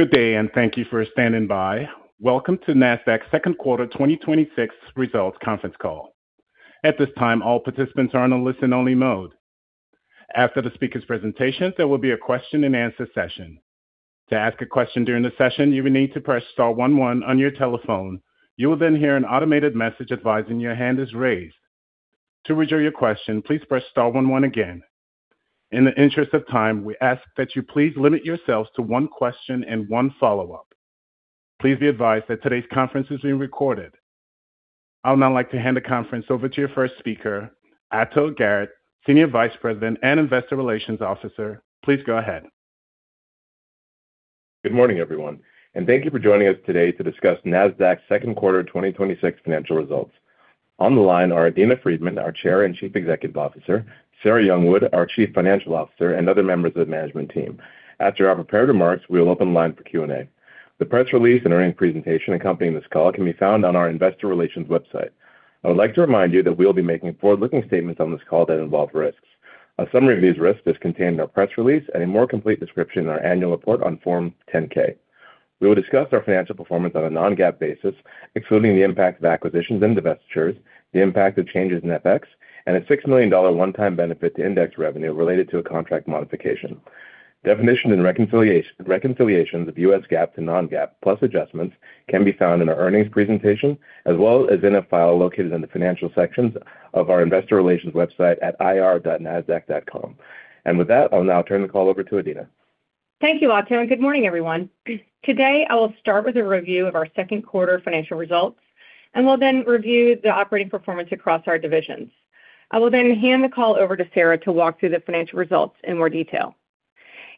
Good day. Thank you for standing by. Welcome to Nasdaq's second quarter 2026 results conference call. At this time, all participants are on a listen-only mode. After the speakers' presentations, there will be a question-and-answer session. To ask a question during the session, you will need to press star one one on your telephone. You will then hear an automated message advising your hand is raised. To withdraw your question, please press star one one again. In the interest of time, we ask that you please limit yourselves to one question and one follow-up. Please be advised that today's conference is being recorded. I would now like to hand the conference over to your first speaker, Ato Garrett, Senior Vice President and Investor Relations Officer. Please go ahead. Good morning, everyone. Thank you for joining us today to discuss Nasdaq's second quarter 2026 financial results. On the line are Adena Friedman, our Chair and Chief Executive Officer, Sarah Youngwood, our Chief Financial Officer, and other members of the management team. After our prepared remarks, we will open the line for Q&A. The press release and earnings presentation accompanying this call can be found on our investor relations website. I would like to remind you that we will be making forward-looking statements on this call that involve risks. A summary of these risks is contained in our press release and a more complete description in our annual report on Form 10-K. We will discuss our financial performance on a non-GAAP basis, excluding the impact of acquisitions and divestitures, the impact of changes in FX, and a $6 million one-time benefit to index revenue related to a contract modification. Definition and reconciliations of U.S. GAAP to non-GAAP, plus adjustments, can be found in our earnings presentation, as well as in a file located in the Financial sections of our Investor Relations website at ir.nasdaq.com. With that, I will now turn the call over to Adena. Thank you, Ato. Good morning, everyone. Today, I will start with a review of our second quarter financial results, and will then review the operating performance across our divisions. I will then hand the call over to Sarah to walk through the financial results in more detail.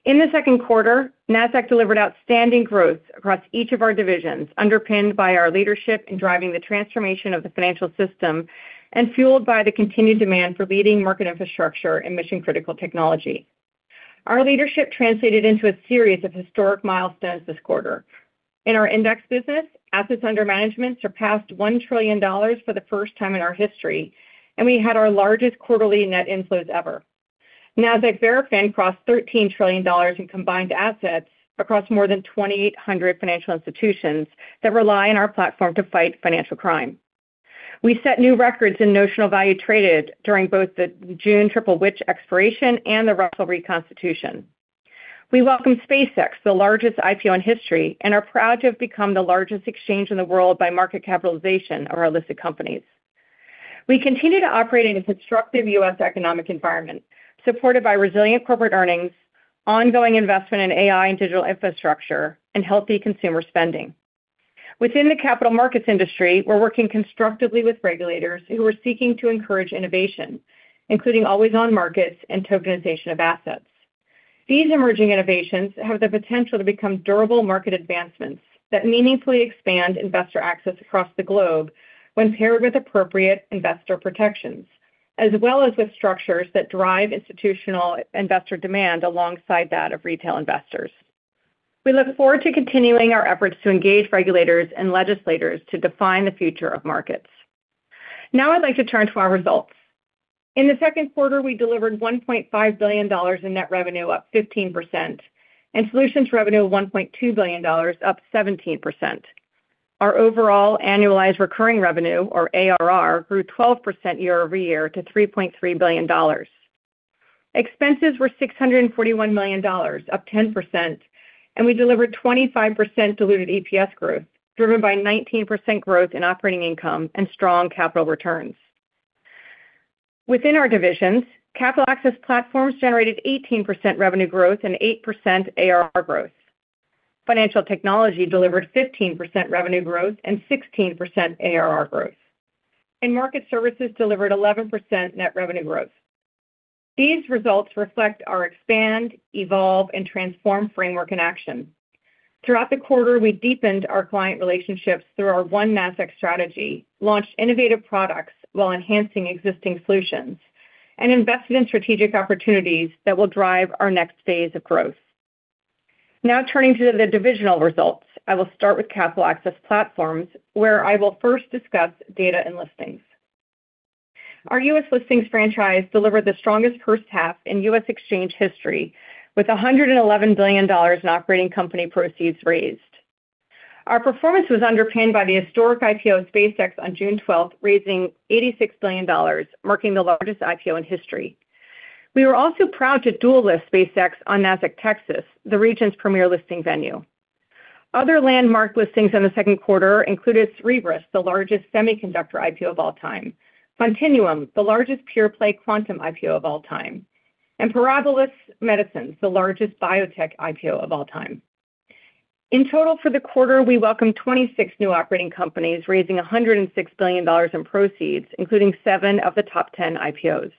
In the second quarter, Nasdaq delivered outstanding growth across each of our divisions, underpinned by our leadership in driving the transformation of the financial system and fueled by the continued demand for leading market infrastructure and mission-critical technology. Our leadership translated into a series of historic milestones this quarter. In our index business, assets under management surpassed $1 trillion for the first time in our history, and we had our largest quarterly net inflows ever. Nasdaq Verafin crossed $13 trillion in combined assets across more than 2,800 financial institutions that rely on our platform to fight financial crime. We set new records in notional value traded during both the June triple witch expiration and the Russell reconstitution. We welcome SpaceX, the largest IPO in history, and are proud to have become the largest exchange in the world by market capitalization of our listed companies. We continue to operate in a constructive U.S. economic environment, supported by resilient corporate earnings, ongoing investment in AI and digital infrastructure, and healthy consumer spending. Within the capital markets industry, we're working constructively with regulators who are seeking to encourage innovation, including always-on markets and tokenization of assets. These emerging innovations have the potential to become durable market advancements that meaningfully expand investor access across the globe when paired with appropriate investor protections, as well as with structures that drive institutional investor demand alongside that of retail investors. We look forward to continuing our efforts to engage regulators and legislators to define the future of markets. I'd like to turn to our results. In the second quarter, we delivered $1.5 billion in net revenue, up 15%, and solutions revenue of $1.2 billion, up 17%. Our overall annualized recurring revenue, or ARR, grew 12% year-over-year to $3.3 billion. Expenses were $641 million, up 10%, and we delivered 25% diluted EPS growth, driven by 19% growth in operating income and strong capital returns. Within our divisions, Capital Access Platforms generated 18% revenue growth and 8% ARR growth. Financial Technology delivered 15% revenue growth and 16% ARR growth. Market Services delivered 11% net revenue growth. These results reflect our expand, evolve, and transform framework in action. Throughout the quarter, we deepened our client relationships through our One Nasdaq Strategy, launched innovative products while enhancing existing solutions, and invested in strategic opportunities that will drive our next phase of growth. Turning to the divisional results. I will start with Capital Access Platforms, where I will first discuss data and listings. Our U.S. listings franchise delivered the strongest first half in U.S. exchange history, with $111 billion in operating company proceeds raised. Our performance was underpinned by the historic IPO of SpaceX on June 12th, raising $86 billion, marking the largest IPO in history. We were also proud to dual-list SpaceX on Nasdaq Texas, the region's premier listing venue. Other landmark listings in the second quarter included Cerebras, the largest semiconductor IPO of all time; Quantinuum, the largest pure-play quantum IPO of all time; and Parabilis Medicines, the largest biotech IPO of all time. In total, for the quarter, we welcomed 26 new operating companies, raising $106 billion in proceeds, including seven of the top 10 IPOs.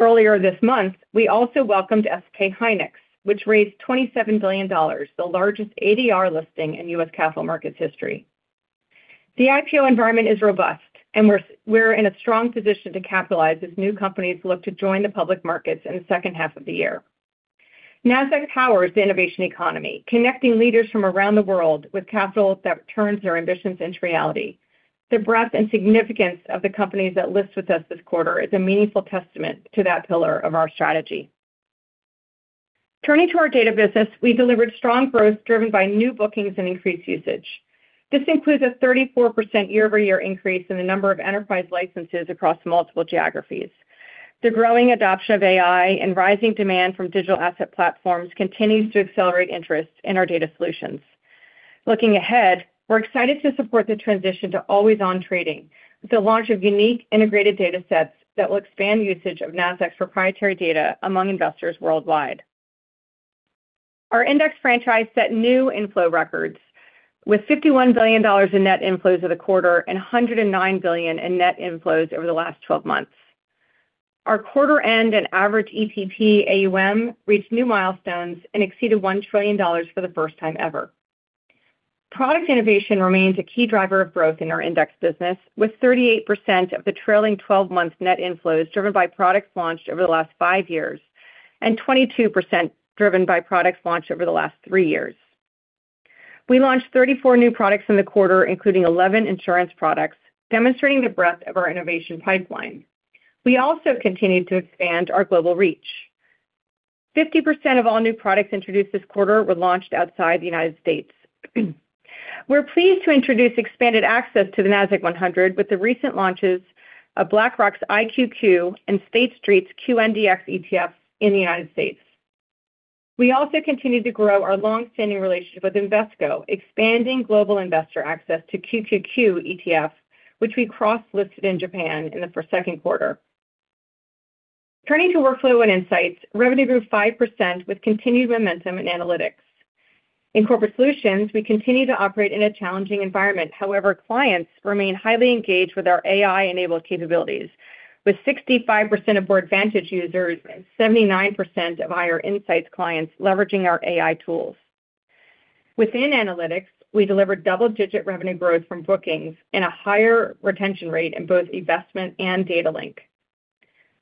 Earlier this month, we also welcomed SK hynix, which raised $27 billion, the largest ADR listing in U.S. capital markets history. The IPO environment is robust, and we're in a strong position to capitalize as new companies look to join the public markets in the second half of the year. Nasdaq powers the innovation economy, connecting leaders from around the world with capital that turns their ambitions into reality. The breadth and significance of the companies that list with us this quarter is a meaningful testament to that pillar of our strategy. Turning to our data business, we delivered strong growth driven by new bookings and increased usage. This includes a 34% year-over-year increase in the number of enterprise licenses across multiple geographies. The growing adoption of AI and rising demand from digital asset platforms continues to accelerate interest in our data solutions. Looking ahead, we're excited to support the transition to always-on trading with the launch of unique integrated data sets that will expand usage of Nasdaq's proprietary data among investors worldwide. Our index franchise set new inflow records with $51 billion in net inflows for the quarter and $109 billion in net inflows over the last 12 months. Our quarter end and average ETP AUM reached new milestones and exceeded $1 trillion for the first time ever. Product innovation remains a key driver of growth in our index business, with 38% of the trailing 12 months net inflows driven by products launched over the last five years, and 22% driven by products launched over the last three years. We launched 34 new products in the quarter, including 11 insurance products, demonstrating the breadth of our innovation pipeline. We also continued to expand our global reach. 50% of all new products introduced this quarter were launched outside the United States. We're pleased to introduce expanded access to the Nasdaq-100 with the recent launches of BlackRock's IQQ and State Street's QNDX ETF in the United States. We also continued to grow our longstanding relationship with Invesco, expanding global investor access to QQQ ETF, which we cross-listed in Japan in the second quarter. Turning to workflow and insights, revenue grew 5% with continued momentum in analytics. In corporate solutions, we continue to operate in a challenging environment. However, clients remain highly engaged with our AI-enabled capabilities. With 65% of Boardvantage users and 79% of IR Insight clients leveraging our AI tools. Within analytics, we delivered double-digit revenue growth from bookings and a higher retention rate in both eVestment and Data Link.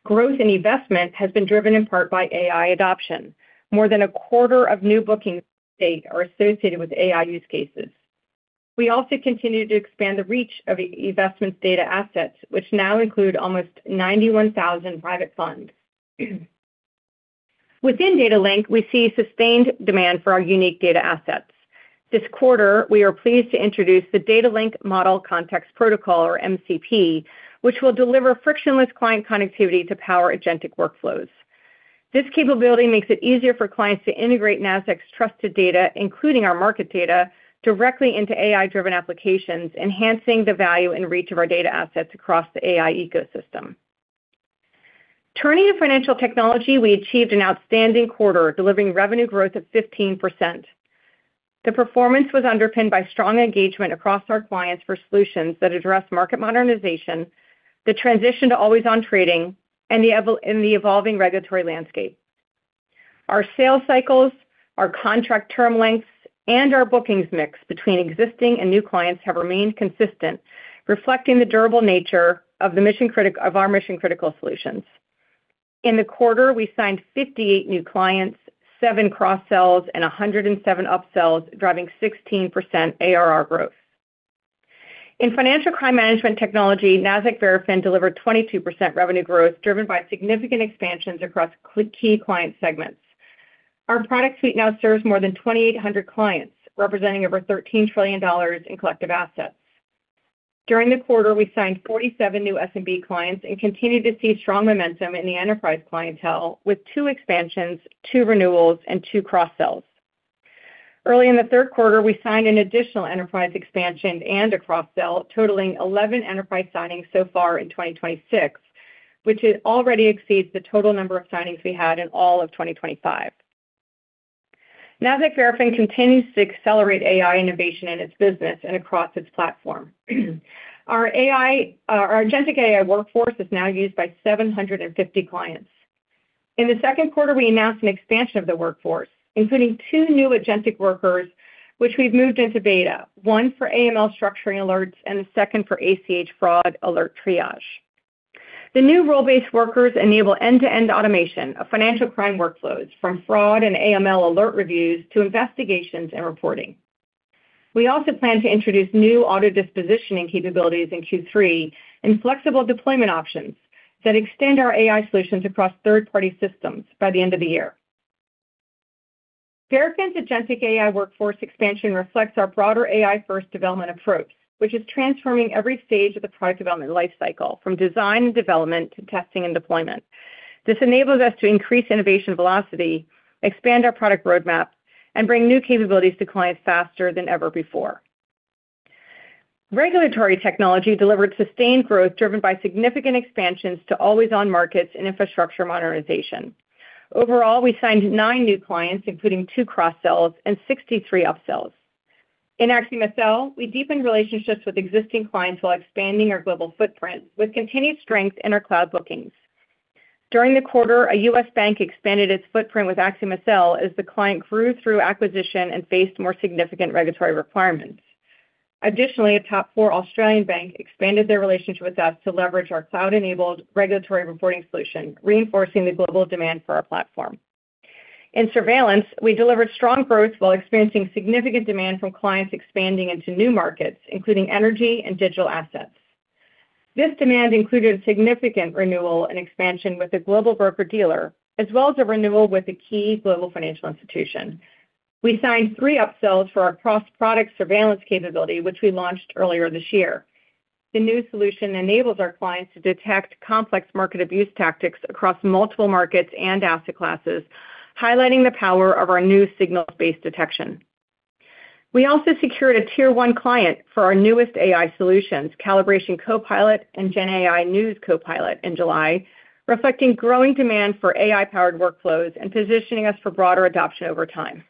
Growth in eVestment has been driven in part by AI adoption. More than a quarter of new bookings today are associated with AI use cases. We also continue to expand the reach of eVestment's data assets, which now include almost 91,000 private funds. Within Data Link, we see sustained demand for our unique data assets. This quarter, we are pleased to introduce the Data Link Model Context Protocol, or MCP, which will deliver frictionless client connectivity to power agentic workflows. This capability makes it easier for clients to integrate Nasdaq's trusted data, including our market data, directly into AI-driven applications, enhancing the value and reach of our data assets across the AI ecosystem. Turning to Financial Technology, we achieved an outstanding quarter, delivering revenue growth of 15%. The performance was underpinned by strong engagement across our clients for solutions that address market modernization, the transition to always-on trading, and the evolving regulatory landscape. Our sales cycles, our contract term lengths, and our bookings mix between existing and new clients have remained consistent, reflecting the durable nature of our mission-critical solutions. In the quarter, we signed 58 new clients, seven cross-sells, and 107 up-sells, driving 16% ARR growth. In Financial Crime Management Technology, Nasdaq Verafin delivered 22% revenue growth, driven by significant expansions across key client segments. Our product suite now serves more than 2,800 clients, representing over $13 trillion in collective assets. During the quarter, we signed 47 new SMB clients and continued to see strong momentum in the enterprise clientele with two expansions, two renewals, and two cross-sells. Early in the third quarter, we signed an additional enterprise expansion and a cross-sell, totaling 11 enterprise signings so far in 2026, which already exceeds the total number of signings we had in all of 2025. Nasdaq Verafin continues to accelerate AI innovation in its business and across its platform. Our agentic AI workforce is now used by 750 clients. In the second quarter, we announced an expansion of the workforce, including two new agentic workers, which we've moved into beta, one for AML structuring alerts, and the second for ACH fraud alert triage. The new role-based workers enable end-to-end automation of financial crime workflows from fraud and AML alert reviews to investigations and reporting. We also plan to introduce new auto-dispositioning capabilities in Q3 and flexible deployment options that extend our AI solutions across third-party systems by the end of the year. Verafin's agentic AI workforce expansion reflects our broader AI-first development approach, which is transforming every stage of the product development life cycle, from design and development to testing and deployment. This enables us to increase innovation velocity, expand our product roadmap, and bring new capabilities to clients faster than ever before. Regulatory Technology delivered sustained growth driven by significant expansions to always-on markets and infrastructure modernization. Overall, we signed nine new clients, including two cross-sells and 63 up-sells. In AxiomSL, we deepened relationships with existing clients while expanding our global footprint with continued strength in our cloud bookings. During the quarter, a U.S. bank expanded its footprint with AxiomSL as the client grew through acquisition and faced more significant regulatory requirements. Additionally, a top four Australian bank expanded their relationship with us to leverage our cloud-enabled regulatory reporting solution, reinforcing the global demand for our platform. In Surveillance, we delivered strong growth while experiencing significant demand from clients expanding into new markets, including energy and digital assets. This demand included a significant renewal and expansion with a global broker-dealer, as well as a renewal with a key global financial institution. We signed three upsells for our cross-product surveillance capability, which we launched earlier this year. The new solution enables our clients to detect complex market abuse tactics across multiple markets and asset classes, highlighting the power of our new signals-based detection. We also secured a Tier 1 client for our newest AI solutions, Calibration Copilot and GenAI News Copilot in July, reflecting growing demand for AI-powered workflows and positioning us for broader adoption over time.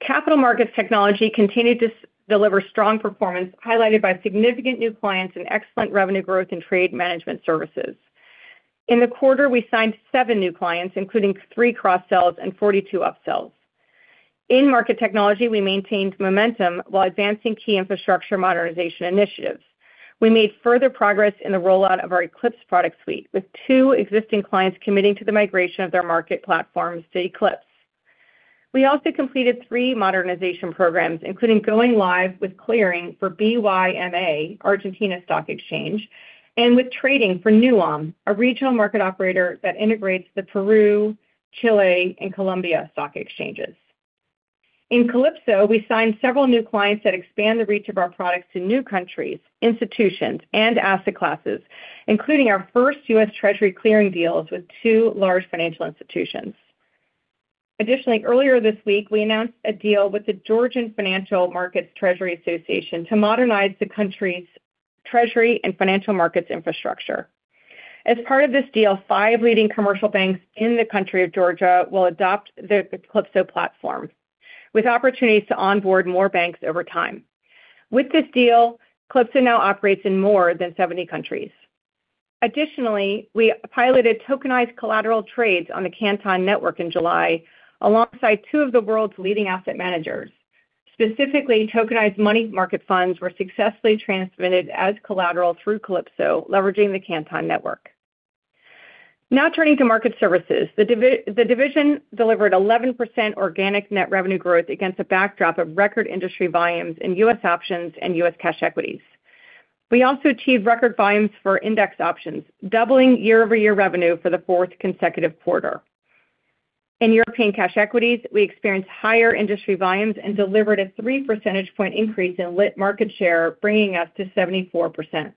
Capital Markets Technology continued to deliver strong performance, highlighted by significant new clients and excellent revenue growth in trade management services. In the quarter, we signed seven new clients, including three cross-sells and 42 upsells. In Market Technology, we maintained momentum while advancing key infrastructure modernization initiatives. We made further progress in the rollout of our Eqlipse product suite, with two existing clients committing to the migration of their market platforms to Eqlipse. We also completed three modernization programs, including going live with clearing for BYMA, Argentina Stock Exchange, and with trading for nuam, a regional market operator that integrates the Peru, Chile, and Colombia stock exchanges. In Calypso, we signed several new clients that expand the reach of our products to new countries, institutions, and asset classes, including our first U.S. Treasury clearing deals with two large financial institutions. Additionally, earlier this week, we announced a deal with the Georgian Financial Markets Treasury Association to modernize the country's treasury and financial markets infrastructure. As part of this deal, five leading commercial banks in the country of Georgia will adopt the Calypso platform, with opportunities to onboard more banks over time. With this deal, Calypso now operates in more than 70 countries. Additionally, we piloted tokenized collateral trades on the Canton Network in July, alongside two of the world's leading asset managers. Specifically, tokenized money market funds were successfully transmitted as collateral through Calypso, leveraging the Canton Network. Turning to Market Services. The division delivered 11% organic net revenue growth against a backdrop of record industry volumes in U.S. options and U.S. cash equities. We also achieved record volumes for index options, doubling year-over-year revenue for the fourth consecutive quarter. In European cash equities, we experienced higher industry volumes and delivered a 3 percentage point increase in lit market share, bringing us to 74%.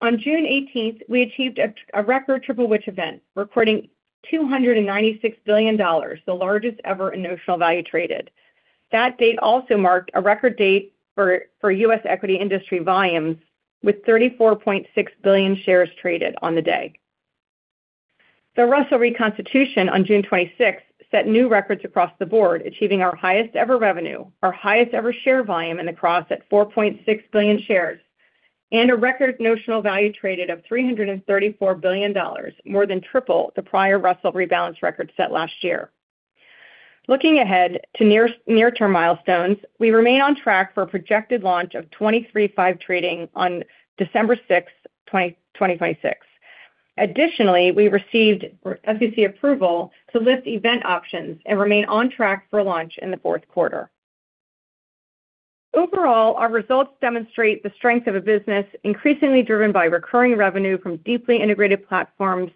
On June 18th, we achieved a record triple witching event, recording $296 billion, the largest ever in notional value traded. That date also marked a record date for U.S. equity industry volumes, with 34.6 billion shares traded on the day. The Russell reconstitution on June 26th set new records across the board, achieving our highest-ever revenue, our highest-ever share volume in the cross at 4.6 billion shares, and a record notional value traded of $334 billion, more than triple the prior Russell rebalance record set last year. Looking ahead to near-term milestones, we remain on track for a projected launch of 23/5 trading on December 6th, 2026. Additionally, we received SEC approval to list event options and remain on track for launch in the fourth quarter. Overall, our results demonstrate the strength of a business increasingly driven by recurring revenue from deeply integrated platforms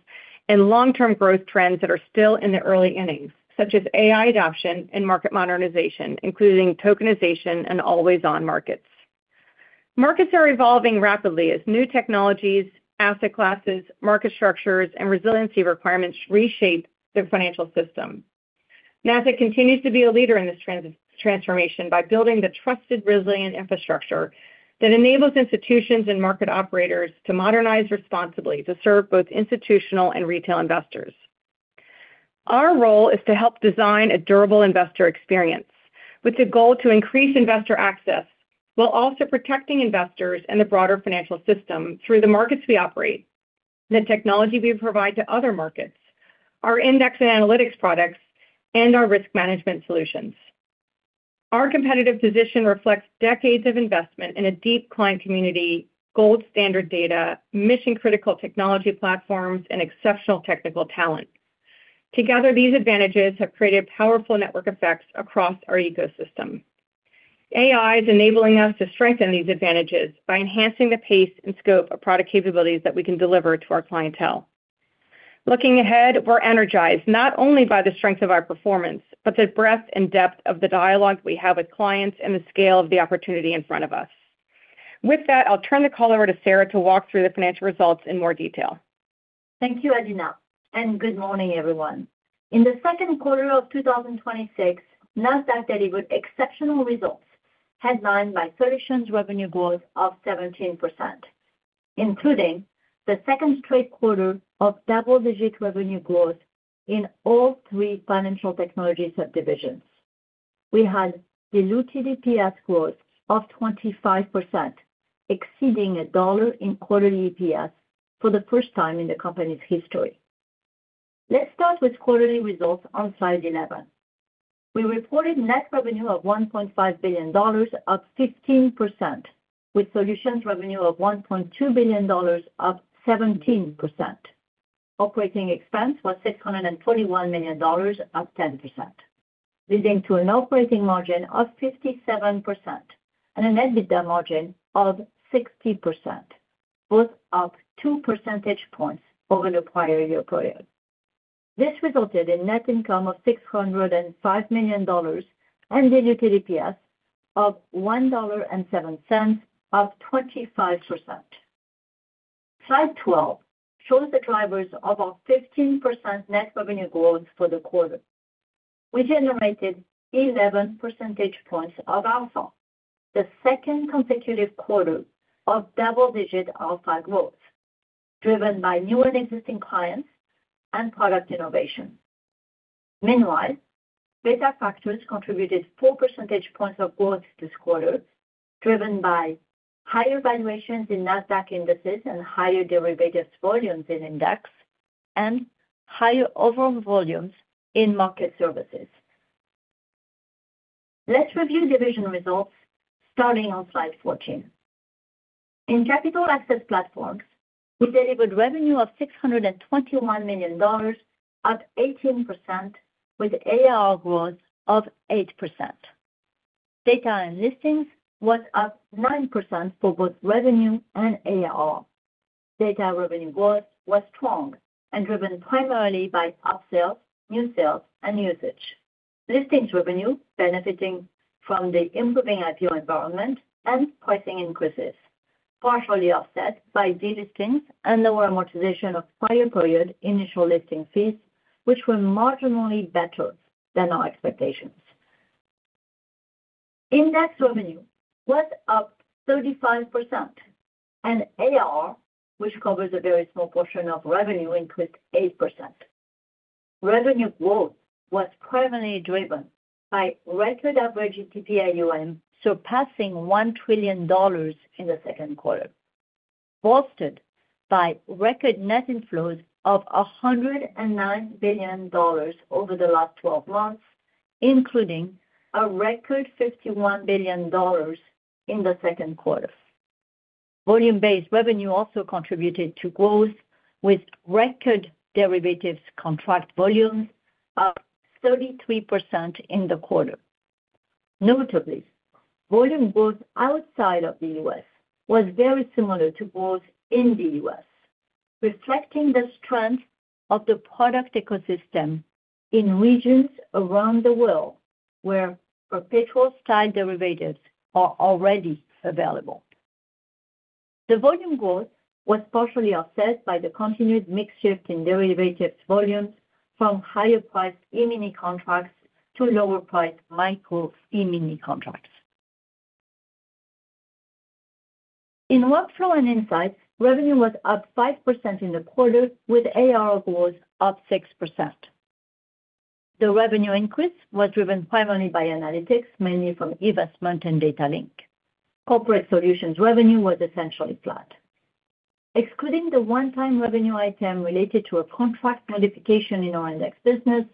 and long-term growth trends that are still in the early innings, such as AI adoption and market modernization, including tokenization and always-on markets. Markets are evolving rapidly as new technologies, asset classes, market structures, and resiliency requirements reshape the financial system. Nasdaq continues to be a leader in this transformation by building the trusted, resilient infrastructure that enables institutions and market operators to modernize responsibly to serve both institutional and retail investors. Our role is to help design a durable investor experience with the goal to increase investor access while also protecting investors and the broader financial system through the markets we operate, the technology we provide to other markets, our index and analytics products, and our risk management solutions. Our competitive position reflects decades of investment in a deep client community, gold standard data, mission-critical technology platforms, and exceptional technical talent. Together, these advantages have created powerful network effects across our ecosystem. AI is enabling us to strengthen these advantages by enhancing the pace and scope of product capabilities that we can deliver to our clientele. Looking ahead, we're energized not only by the strength of our performance, but the breadth and depth of the dialogue we have with clients and the scale of the opportunity in front of us. With that, I'll turn the call over to Sarah to walk through the financial results in more detail. Thank you, Adena, and good morning, everyone. In the second quarter of 2026, Nasdaq delivered exceptional results, headlined by solutions revenue growth of 17%, including the second straight quarter of double-digit revenue growth in all three financial technology subdivisions. We had diluted EPS growth of 25%, exceeding $1 in quarterly EPS for the first time in the company's history. Let's start with quarterly results on slide 11. We reported net revenue of $1.5 billion, up 15%, with solutions revenue of $1.2 billion, up 17%. Operating expense was $641 million, up 10%, leading to an operating margin of 57% and an EBITDA margin of 60%, both up 2 percentage points over the prior year period. This resulted in net income of $605 million, and diluted EPS of $1.07, up 25%. Slide 12 shows the drivers of our 15% net revenue growth for the quarter. We generated 11 percentage points of alpha, the second consecutive quarter of double-digit alpha growth, driven by new and existing clients and product innovation. Beta factors contributed 4 percentage points of growth this quarter, driven by higher valuations in Nasdaq indices and higher derivatives volumes in index, and higher overall volumes in market services. Let's review division results starting on slide 14. In Capital Access Platforms, we delivered revenue of $621 million, up 18%, with ARR growth of 8%. Data and listings was up 9% for both revenue and AR. Data revenue growth was strong and driven primarily by upsells, new sales, and usage. Listings revenue benefiting from the improving IPO environment and pricing increases, partially offset by delistings and lower amortization of prior period initial listing fees, which were marginally better than our expectations. Index revenue was up 35%, and AR, which covers a very small portion of revenue, increased 8%. Revenue growth was primarily driven by record average ETP AUM surpassing $1 trillion in the second quarter, bolstered by record net inflows of $109 billion over the last 12 months, including a record $51 billion in the second quarter. Volume-based revenue also contributed to growth with record derivatives contract volumes up 33% in the quarter. Notably, volume growth outside of the U.S. was very similar to growth in the U.S., reflecting the strength of the product ecosystem in regions around the world where perpetual style derivatives are already available. The volume growth was partially offset by the continued mix shift in derivatives volumes from higher priced E-mini contracts to lower priced Micro E-mini contracts. In Workflow and Insight, revenue was up 5% in the quarter, with ARR growth up 6%. The revenue increase was driven primarily by analytics, mainly from eVestment and Data Link. Corporate Solutions revenue was essentially flat. Excluding the one-time revenue item related to a contract modification in our index business,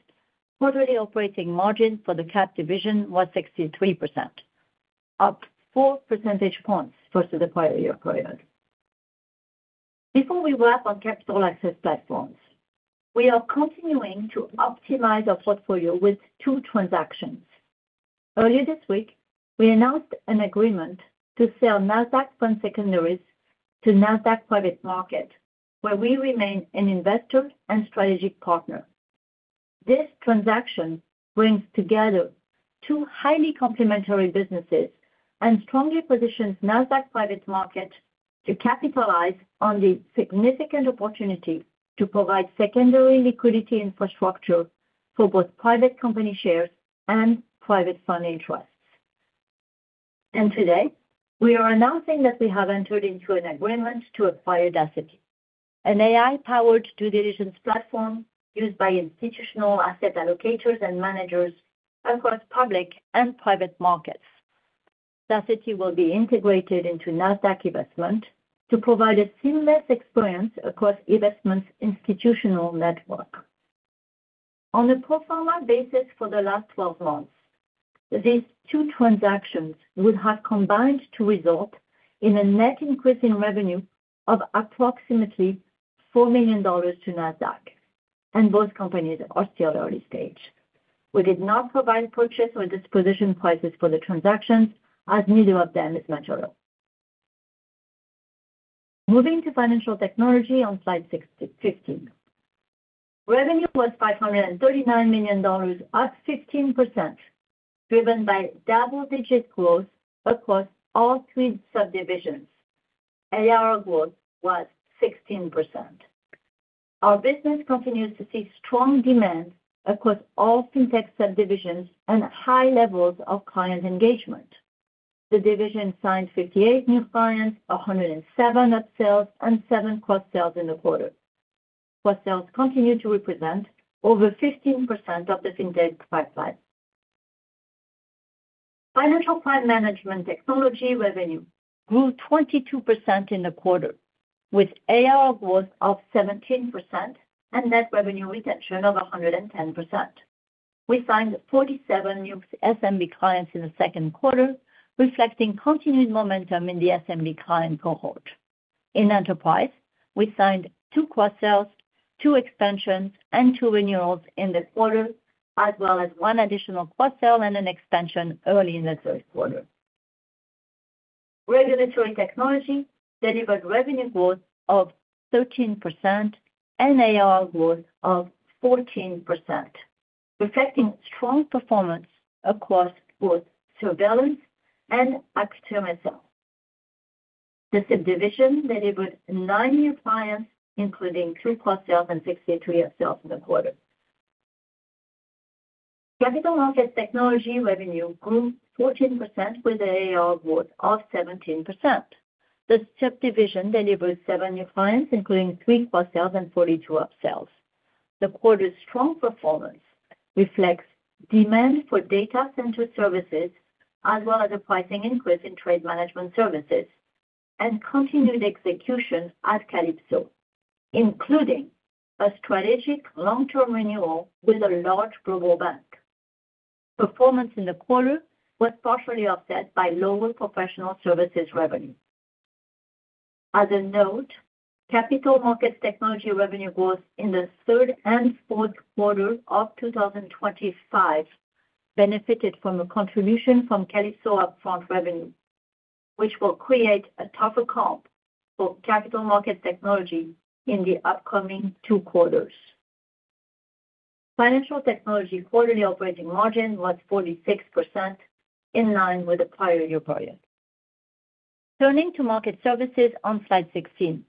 quarterly operating margin for the CAP division was 63%, up 4 percentage points versus the prior year period. Before we wrap on Capital Access Platforms, we are continuing to optimize our portfolio with two transactions. Earlier this week, we announced an agreement to sell Nasdaq Fund Secondaries to Nasdaq Private Market, where we remain an investor and strategic partner. This transaction brings together two highly complementary businesses and strongly positions Nasdaq Private Market to capitalize on the significant opportunity to provide secondary liquidity infrastructure for both private company shares and private fund interests. Today, we are announcing that we have entered into an agreement to acquire Dasseti, an AI-powered due diligence platform used by institutional asset allocators and managers across public and private markets. Dasseti will be integrated into Nasdaq eVestment to provide a seamless experience across eVestment's institutional network. On a pro forma basis for the last 12 months, these two transactions would have combined to result in a net increase in revenue of approximately $4 million to Nasdaq. Both companies are still early stage. We did not provide purchase or disposition prices for the transactions as neither of them is material. Moving to Financial Technology on slide 15. Revenue was $539 million, up 15%, driven by double-digit growth across all three subdivisions. ARR growth was 16%. Our business continues to see strong demand across all FinTech subdivisions and high levels of client engagement. The division signed 58 new clients, 107 upsells, and seven cross-sells in the quarter, where sales continue to represent over 15% of the FinTech pipeline. Financial Crime Management Technology revenue grew 22% in the quarter, with ARR growth of 17% and net revenue retention of 110%. We signed 47 new SMB clients in the second quarter, reflecting continued momentum in the SMB client cohort. In Enterprise, we signed two cross-sells, two expansions, and two renewals in the quarter, as well as one additional cross-sell and an extension early in the third quarter. Regulatory Technology delivered revenue growth of 13% and ARR growth of 14%, reflecting strong performance across both Surveillance and AxiomSL. The subdivision delivered 90 clients, including three cross-sales and 63 upsells in the quarter. Capital Markets Technology revenue grew 14%, with ARR growth of 17%. The subdivision delivered seven new clients, including three cross-sales and 42 upsells. The quarter's strong performance reflects demand for data center services, as well as a pricing increase in trade management services. Continued execution at Calypso, including a strategic long-term renewal with a large global bank. Performance in the quarter was partially offset by lower professional services revenue. As a note, Capital Markets Technology revenue growth in the third and fourth quarter of 2025 benefited from a contribution from Calypso upfront revenue, which will create a tougher comp for Capital Markets Technology in the upcoming two quarters. Financial Technology quarterly operating margin was 46%, in line with the prior year period. Turning to Market Services on slide 16.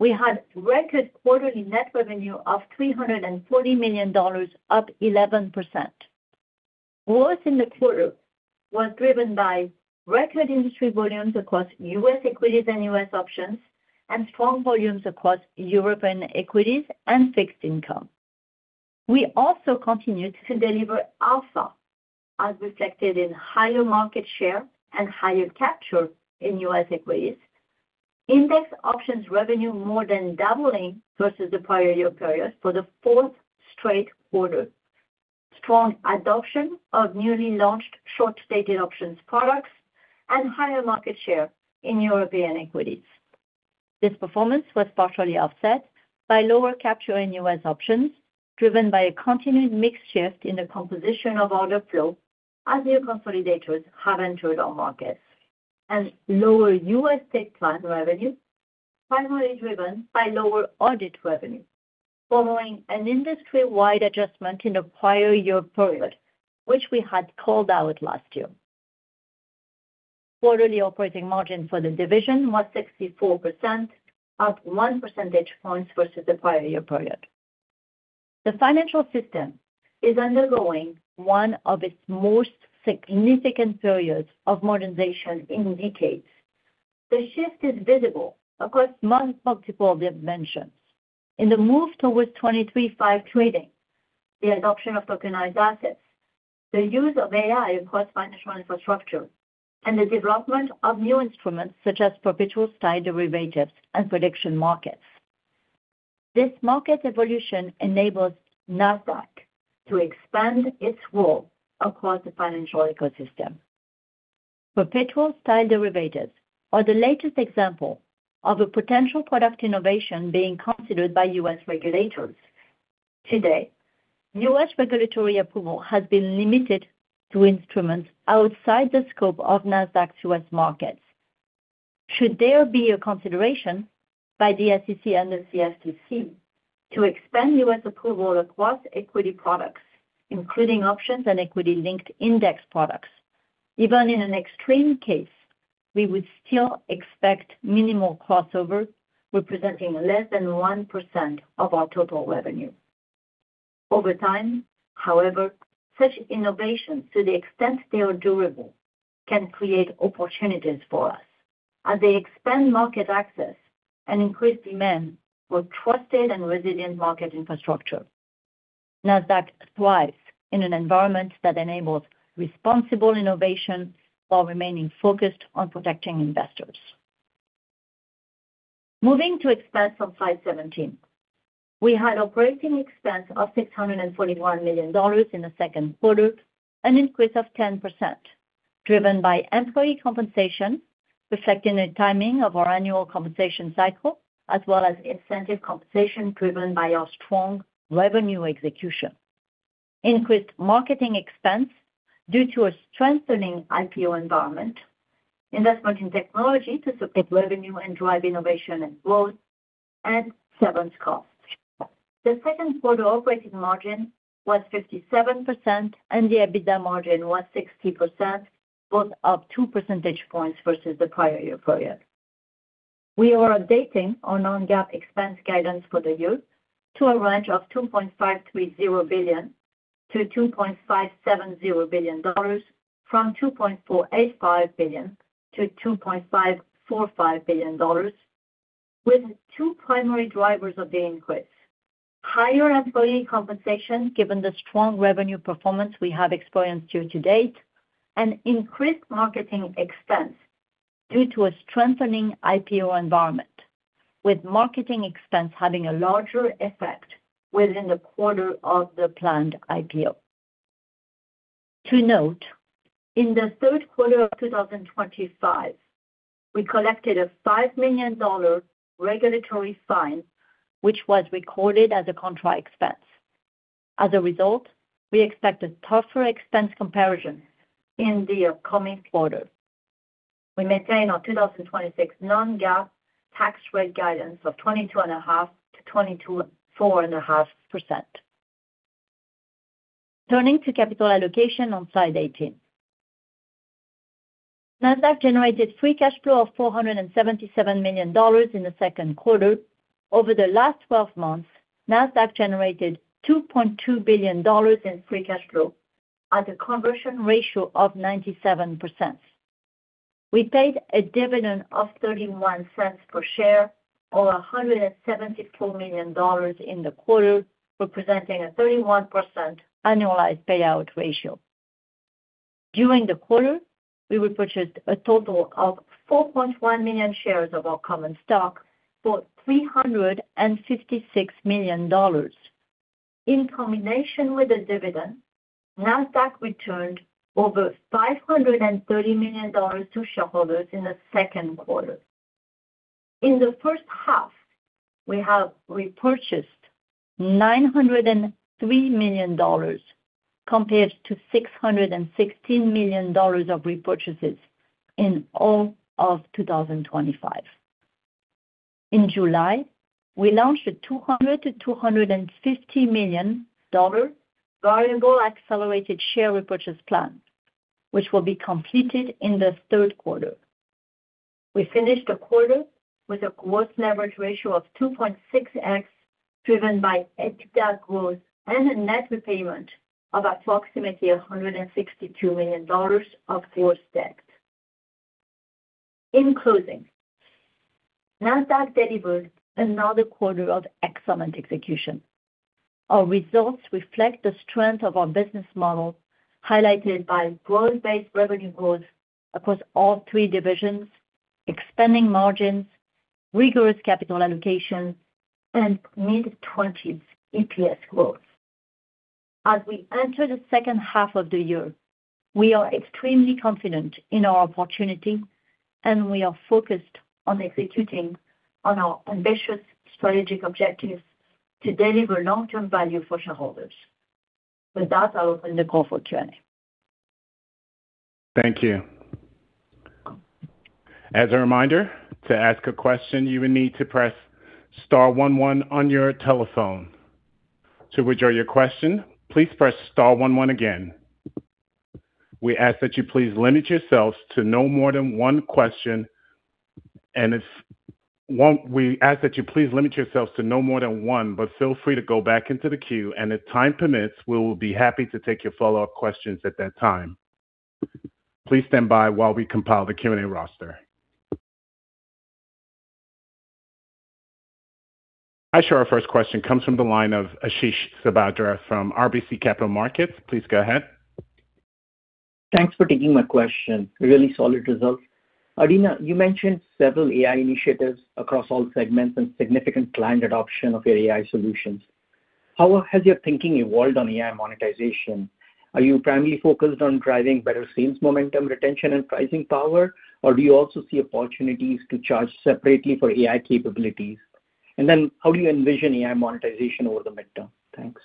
We had record quarterly net revenue of $340 million, up 11%. Growth in the quarter was driven by record industry volumes across U.S. equities and U.S. options. Strong volumes across European equities and fixed income. We also continued to deliver alpha, as reflected in higher market share and higher capture in U.S. equities. Index options revenue more than doubling versus the prior year period for the fourth straight quarter. Strong adoption of newly launched short-dated options products. Higher market share in European equities. This performance was partially offset by lower capture in U.S. options, driven by a continued mix shift in the composition of order flow as new consolidators have entered our markets. Lower U.S. tape plan revenue, primarily driven by lower audit revenue, following an industry-wide adjustment in the prior year period, which we had called out last year. Quarterly operating margin for the division was 64%, up 1 percentage point versus the prior year period. The financial system is undergoing one of its most significant periods of modernization in decades. The shift is visible across multiple dimensions. In the move towards 23/5 trading, the adoption of tokenized assets, the use of AI across financial infrastructure, and the development of new instruments such as perpetual style derivatives and prediction markets. This market evolution enables Nasdaq to expand its role across the financial ecosystem. Perpetual style derivatives are the latest example of a potential product innovation being considered by U.S. regulators. Today, U.S. regulatory approval has been limited to instruments outside the scope of Nasdaq's U.S. markets. Should there be a consideration by the SEC and the CFTC to expand U.S. approval across equity products, including options and equity-linked index products, even in an extreme case, we would still expect minimal crossover, representing less than 1% of our total revenue. Over time, however, such innovations, to the extent they are durable, can create opportunities for us as they expand market access and increase demand for trusted and resilient market infrastructure. Nasdaq thrives in an environment that enables responsible innovation while remaining focused on protecting investors. Moving to expense on slide 17. We had operating expense of $641 million in the second quarter, an increase of 10%, driven by employee compensation, reflecting the timing of our annual compensation cycle, as well as incentive compensation driven by our strong revenue execution. Increased marketing expense due to a strengthening IPO environment, investment in technology to support revenue and drive innovation and growth, and severance costs. The second quarter operating margin was 57% and the EBITDA margin was 60%, both up 2 percentage points versus the prior year period. We are updating our non-GAAP expense guidance for the year to a range of $2.530 billion-$2.570 billion from $2.485 billion-$2.545 billion. With two primary drivers of the increase. Higher employee compensation, given the strong revenue performance we have experienced year to date, and increased marketing expense due to a strengthening IPO environment, with marketing expense having a larger effect within the quarter of the planned IPO. To note, in the third quarter of 2025, we collected a $5 million regulatory fine, which was recorded as a contra expense. As a result, we expect a tougher expense comparison in the upcoming quarter. We maintain our 2026 non-GAAP tax rate guidance of 22.5%-24.5%. Turning to capital allocation on slide 18. Nasdaq generated free cash flow of $477 million in the second quarter. Over the last 12 months, Nasdaq generated $2.2 billion in free cash flow at a conversion ratio of 97%. We paid a dividend of $0.31 per share, or $174 million in the quarter, representing a 31% annualized payout ratio. During the quarter, we repurchased a total of 4.1 million shares of our common stock for $356 million. In combination with the dividend, Nasdaq returned over $530 million to shareholders in the second quarter. In the first half, we have repurchased $903 million, compared to $616 million of repurchases in all of 2025. In July, we launched a $200 million-$250 million variable accelerated share repurchase plan, which will be completed in the third quarter. We finished the quarter with a gross leverage ratio of 2.6x, driven by EBITDA growth and a net repayment of approximately $162 million of gross debt. In closing, Nasdaq delivered another quarter of excellent execution. Our results reflect the strength of our business model, highlighted by growth-based revenue growth across all three divisions, expanding margins, rigorous capital allocation, and mid-20s EPS growth. As we enter the second half of the year, we are extremely confident in our opportunity. We are focused on executing on our ambitious strategic objectives to deliver long-term value for shareholders. With that, I'll open the call for Q&A. Thank you. As a reminder, to ask a question, you will need to press star one one on your telephone. To withdraw your question, please press star one one again. We ask that you please limit yourselves to no more than one question, but feel free to go back into the queue, and if time permits, we will be happy to take your follow-up questions at that time. Please stand by while we compile the Q&A roster. I show our first question comes from the line of Ashish Sabadra from RBC Capital Markets. Please go ahead. Thanks for taking my question. Really solid results. Adena, you mentioned several AI initiatives across all segments and significant client adoption of your AI solutions. How has your thinking evolved on AI monetization? Are you primarily focused on driving better sales momentum, retention, and pricing power, or do you also see opportunities to charge separately for AI capabilities? How do you envision AI monetization over the midterm? Thanks.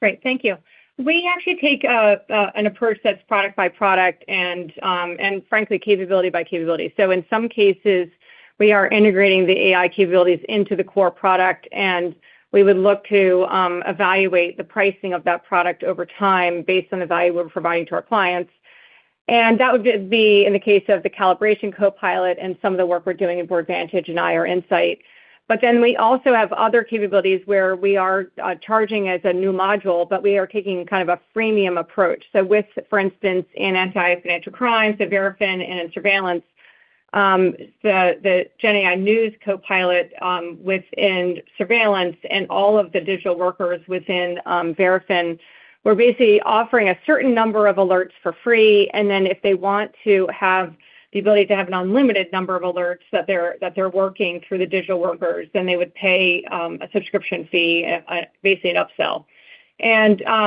Great. Thank you. We actually take an approach that's product by product and frankly, capability by capability. In some cases, we are integrating the AI capabilities into the core product, and we would look to evaluate the pricing of that product over time based on the value we're providing to our clients. That would be in the case of the Calibration Copilot and some of the work we're doing in Boardvantage and IR Insight. We also have other capabilities where we are charging as a new module, but we are taking kind of a freemium approach. With, for instance, in Financial Crimes, the Verafin and in Surveillance, the GenAI News Copilot within Surveillance and all of the digital workers within Verafin, we're basically offering a certain number of alerts for free, and then if they want to have the ability to have an unlimited number of alerts that they're working through the digital workers, then they would pay a subscription fee, basically an upsell.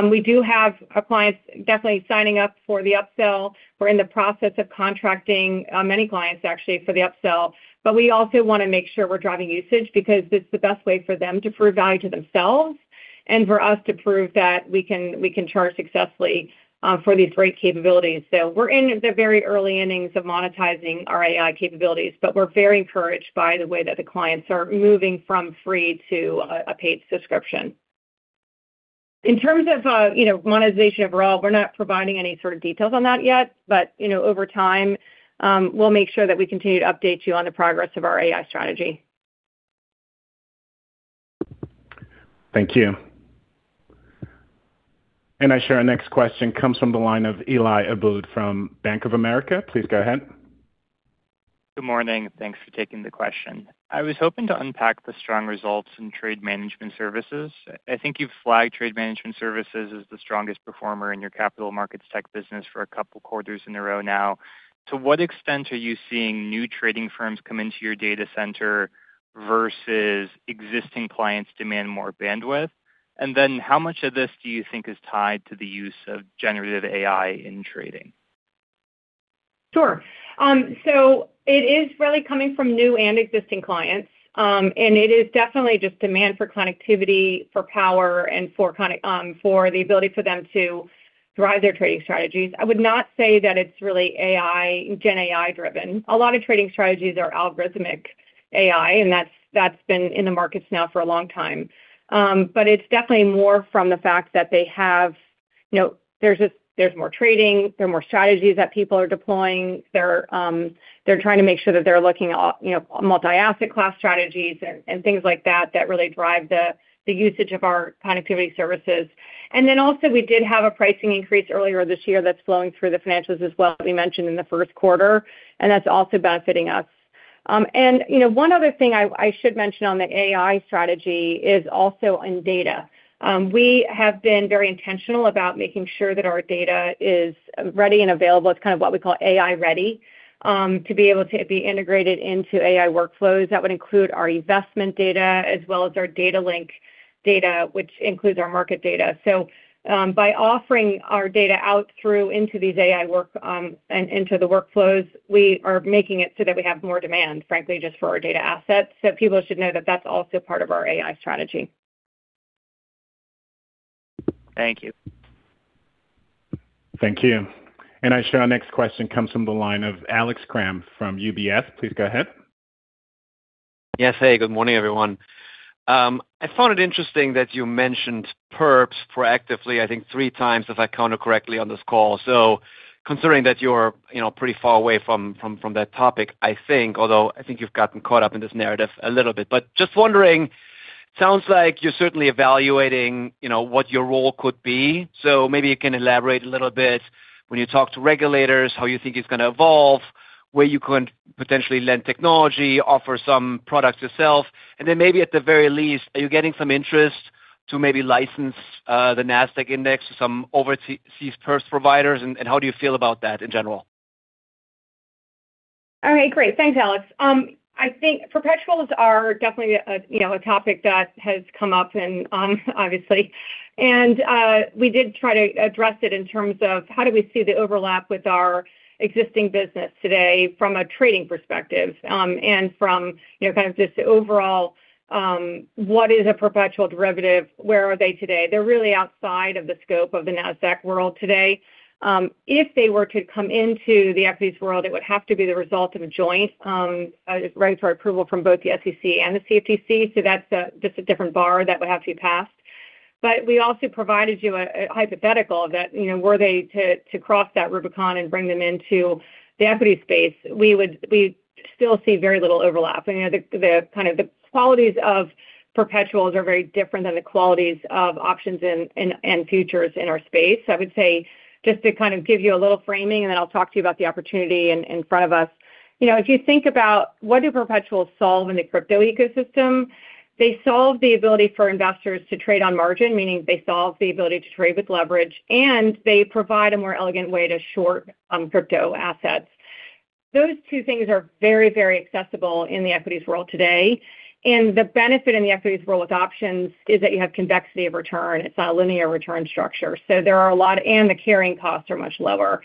We do have our clients definitely signing up for the upsell. We're in the process of contracting many clients, actually, for the upsell. We also want to make sure we're driving usage because it's the best way for them to prove value to themselves and for us to prove that we can charge successfully for these great capabilities. We're in the very early innings of monetizing our AI capabilities, but we're very encouraged by the way that the clients are moving from free to a paid subscription. In terms of monetization overall, we're not providing any sort of details on that yet. Over time, we'll make sure that we continue to update you on the progress of our AI strategy. Thank you. I show our next question comes from the line of Eli Abboud from Bank of America. Please go ahead. Good morning. Thanks for taking the question. I was hoping to unpack the strong results in trade management services. I think you've flagged trade management services as the strongest performer in your Capital Markets Tech business for a couple quarters in a row now. To what extent are you seeing new trading firms come into your data center versus existing clients demand more bandwidth? How much of this do you think is tied to the use of generative AI in trading? It is really coming from new and existing clients. It is definitely just demand for connectivity, for power, and for the ability for them to drive their trading strategies. I would not say that it's really GenAI-driven. A lot of trading strategies are algorithmic AI, and that's been in the markets now for a long time. It's definitely more from the fact that there's more trading, there are more strategies that people are deploying. They're trying to make sure that they're looking at multi-asset class strategies and things like that really drive the usage of our connectivity services. Then also we did have a pricing increase earlier this year that's flowing through the financials as well, we mentioned in the first quarter, and that's also benefiting us. One other thing I should mention on the AI strategy is also in data. We have been very intentional about making sure that our data is ready and available. It's kind of what we call AI-ready, to be able to be integrated into AI workflows. That would include our investment data as well as our Data Link data, which includes our market data. By offering our data out through into these AI work and into the workflows, we are making it so that we have more demand, frankly, just for our data assets. People should know that that's also part of our AI strategy. Thank you. Thank you. I show our next question comes from the line of Alex Kramm from UBS. Please go ahead. Yes, hey, good morning, everyone. I found it interesting that you mentioned perps proactively, I think three times, if I counted correctly on this call. Considering that you're pretty far away from that topic, I think, although I think you've gotten caught up in this narrative a little bit, just wondering, sounds like you're certainly evaluating what your role could be. Maybe you can elaborate a little bit when you talk to regulators, how you think it's going to evolve, where you could potentially lend technology, offer some products yourself, and then maybe at the very least, are you getting some interest to maybe license the Nasdaq index to some overseas perps providers? How do you feel about that in general? All right, great. Thanks, Alex. I think perpetuals are definitely a topic that has come up obviously, and we did try to address it in terms of how do we see the overlap with our existing business today from a trading perspective. From kind of just overall, what is a perpetual derivative? Where are they today? They're really outside of the scope of the Nasdaq world today. If they were to come into the equities world, it would have to be the result of a joint regulatory approval from both the SEC and the CFTC. That's a different bar that would have to be passed. We also provided you a hypothetical that, were they to cross that Rubicon and bring them into the equity space, we'd still see very little overlap. The qualities of perpetuals are very different than the qualities of options and futures in our space. I would say, just to kind of give you a little framing, and then I'll talk to you about the opportunity in front of us. If you think about what do perpetuals solve in the crypto ecosystem, they solve the ability for investors to trade on margin, meaning they solve the ability to trade with leverage, and they provide a more elegant way to short crypto assets. Those two things are very accessible in the equities world today, and the benefit in the equities world with options is that you have convexity of return. It's not a linear return structure. The carrying costs are much lower.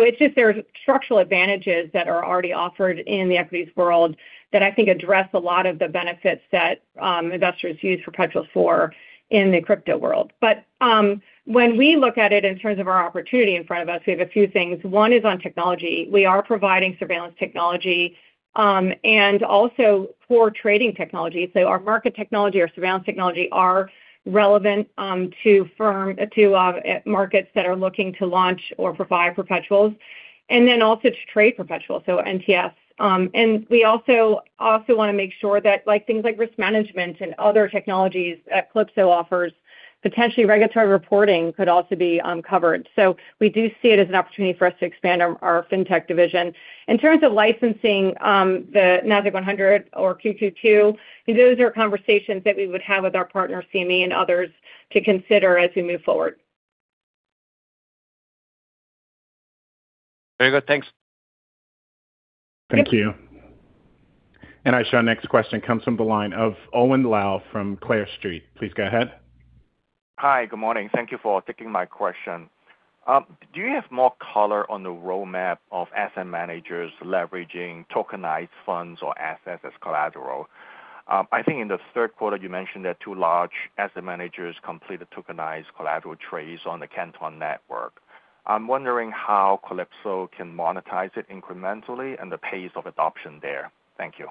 It's just there's structural advantages that are already offered in the equities world that I think address a lot of the benefits that investors use perpetuals for in the crypto world. When we look at it in terms of our opportunity in front of us, we have a few things. One is on technology. We are providing Surveillance technology, and also for trading technology. Our Market Technology, our Surveillance technology are relevant to markets that are looking to launch or provide perpetuals. Then also to trade perpetuals, so NTS. We also want to make sure that things like risk management and other technologies that Calypso offers, potentially regulatory reporting could also be covered. We do see it as an opportunity for us to expand our FinTech division. In terms of licensing the Nasdaq-100 or QQQ, those are conversations that we would have with our partner, CME, and others, to consider as we move forward. Very good. Thanks. Thank you. I show our next question comes from the line of Owen Lau from Clear Street. Please go ahead. Hi. Good morning. Thank you for taking my question. Do you have more color on the roadmap of asset managers leveraging tokenized funds or assets as collateral? I think in the third quarter, you mentioned that two large asset managers completed tokenized collateral trades on the Canton Network. I'm wondering how Calypso can monetize it incrementally and the pace of adoption there. Thank you.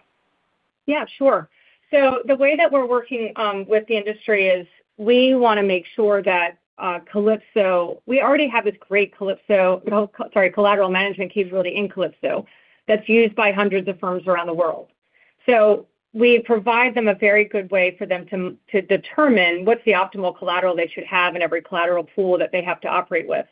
Yeah, sure. The way that we're working with the industry is we want to make sure that Calypso, we already have this great collateral management capability in Calypso that's used by hundreds of firms around the world. We provide them a very good way for them to determine what's the optimal collateral they should have in every collateral pool that they have to operate with.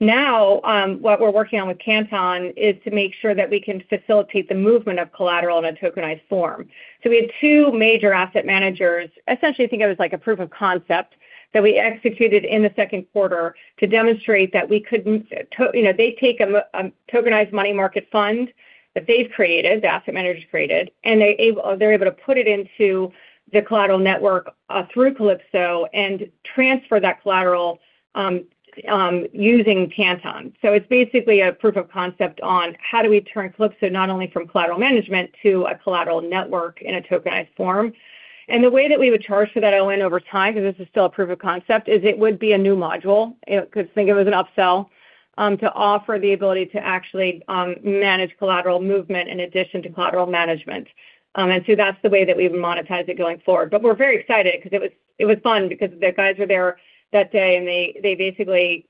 Now, what we're working on with Canton is to make sure that we can facilitate the movement of collateral in a tokenized form. We had two major asset managers, essentially, think of it as like a proof of concept that we executed in the second quarter to demonstrate that they take a tokenized money market fund that they've created, the asset managers created, and they're able to put it into the collateral network, through Calypso and transfer that collateral using Canton. It's basically a proof of concept on how do we turn Calypso, not only from collateral management to a collateral network in a tokenized form. The way that we would charge for that going over time, because this is still a proof of concept, is it would be a new module. Think of it as an upsell, to offer the ability to actually manage collateral movement in addition to collateral management. That's the way that we've monetized it going forward. We're very excited because it was fun because the guys were there that day, and they basically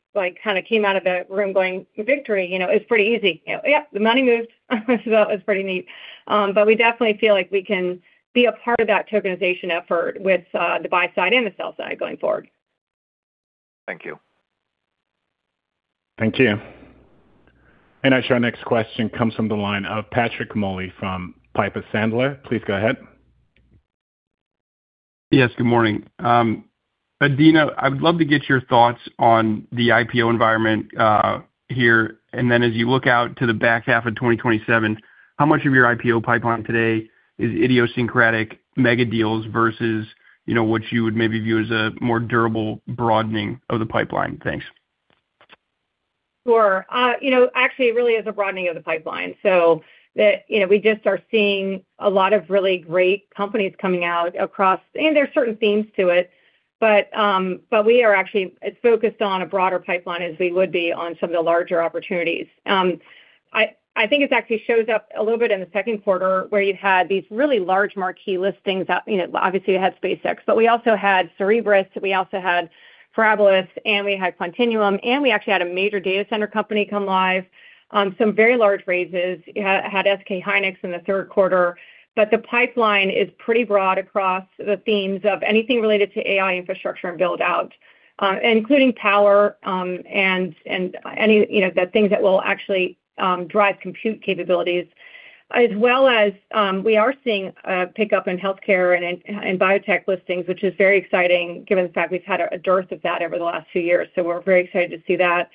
came out of the room going, "Victory." It was pretty easy. Yep, the money moved. That was pretty neat. We definitely feel like we can be a part of that tokenization effort with the buy side and the sell side going forward. Thank you. Thank you. Our next question comes from the line of Patrick Moley from Piper Sandler. Please go ahead. Yes, good morning. Adena, I would love to get your thoughts on the IPO environment here. As you look out to the back half of 2026, how much of your IPO pipeline today is idiosyncratic mega deals versus what you would maybe view as a more durable broadening of the pipeline? Thanks. Sure. Actually, it really is a broadening of the pipeline. We just are seeing a lot of really great companies coming out. There are certain themes to it. We are actually as focused on a broader pipeline as we would be on some of the larger opportunities. I think it actually shows up a little bit in the second quarter where you had these really large marquee listings up. Obviously, you had SpaceX, we also had Cerebras, we also had Parabilis, and we had Quantinuum, and we actually had a major data center company come live on some very large raises. Had SK hynix in the third quarter. The pipeline is pretty broad across the themes of anything related to AI infrastructure and buildout, including power, and the things that will actually drive compute capabilities as well as we are seeing a pickup in healthcare and in biotech listings, which is very exciting given the fact we've had a dearth of that over the last two years, so we're very excited to see that.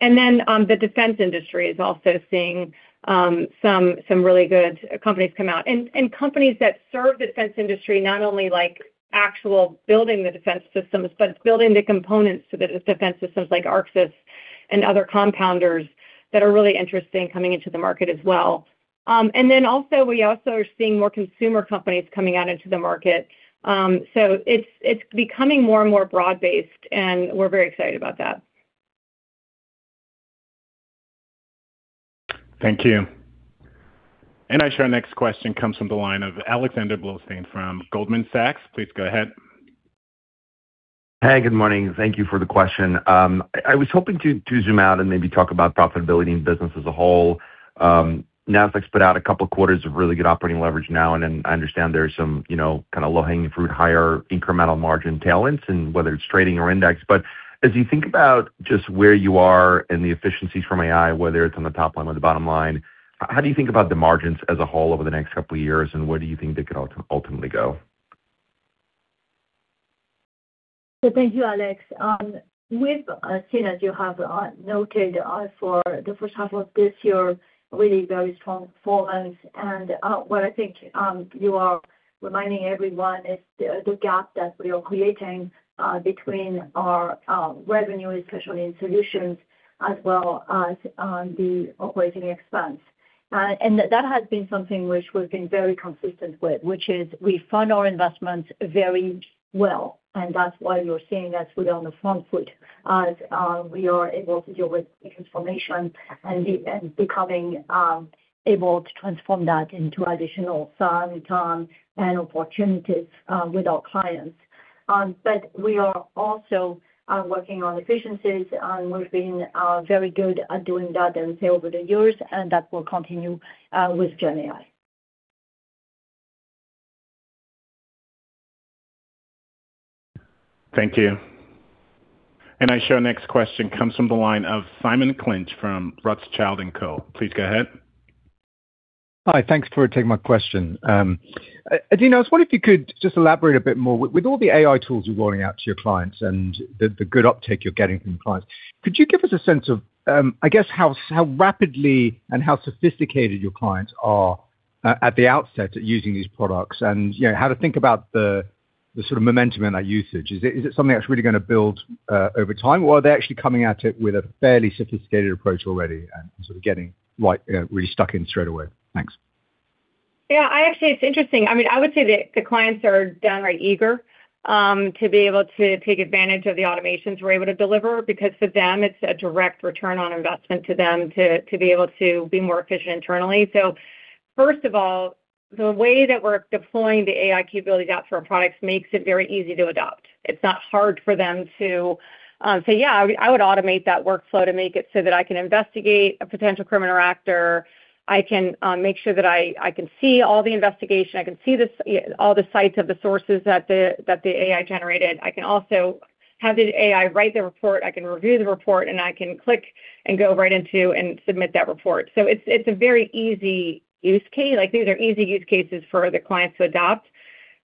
The defense industry is also seeing some really good companies come out. Companies that serve the defense industry, not only like actual building the defense systems, but building the components to the defense systems like Arxis and other compounders that are really interesting coming into the market as well. We also are seeing more consumer companies coming out into the market. It's becoming more and more broad-based, and we're very excited about that. Thank you. Our next question comes from the line of Alexander Blostein from Goldman Sachs. Please go ahead. Good morning. Thank you for the question. I was hoping to zoom out and maybe talk about profitability and business as a whole. Nasdaq's put out a couple quarters of really good operating leverage now. Then I understand there's some low-hanging fruit, higher incremental margin tailwinds in whether it's trading or index. As you think about just where you are and the efficiencies from AI, whether it's on the top line or the bottom line, how do you think about the margins as a whole over the next couple of years, and where do you think they could ultimately go? Thank you, Alex. We've seen, as you have noted, for the first half of this year, really very strong performance. What I think you are reminding everyone is the gap that we are creating between our revenue, especially in solutions as well as the operating expense. That has been something which we've been very consistent with, which is we fund our investments very well, and that's why you're seeing us with on the front foot as we are able to deal with information and becoming able to transform that into additional science and opportunities with our clients. We are also working on efficiencies, and we've been very good at doing that and scale over the years, and that will continue with GenAI. Thank you. Our next question comes from the line of Simon Clinch from Rothschild & Co. Please go ahead. Thanks for taking my question. Adena, I was wondering if you could just elaborate a bit more. With all the AI tools you're rolling out to your clients and the good uptake you're getting from clients, could you give us a sense of how rapidly and how sophisticated your clients are at the outset at using these products, and how to think about the sort of momentum in that usage? Is it something that's really going to build over time, or are they actually coming at it with a fairly sophisticated approach already and sort of getting really stuck in straight away? Thanks. Actually, it's interesting. I would say that the clients are downright eager to be able to take advantage of the automations we're able to deliver because for them, it's a direct return on investment to them to be able to be more efficient internally. First of all, the way that we're deploying the AI capabilities out to our products makes it very easy to adopt. It's not hard for them to say, "Yeah, I would automate that workflow to make it so that I can investigate a potential criminal actor. I can make sure that I can see all the investigation. I can see all the sites of the sources that the AI generated. I can also have the AI write the report. I can review the report, and I can click and go right into and submit that report." It's a very easy use case. These are easy use cases for the clients to adopt.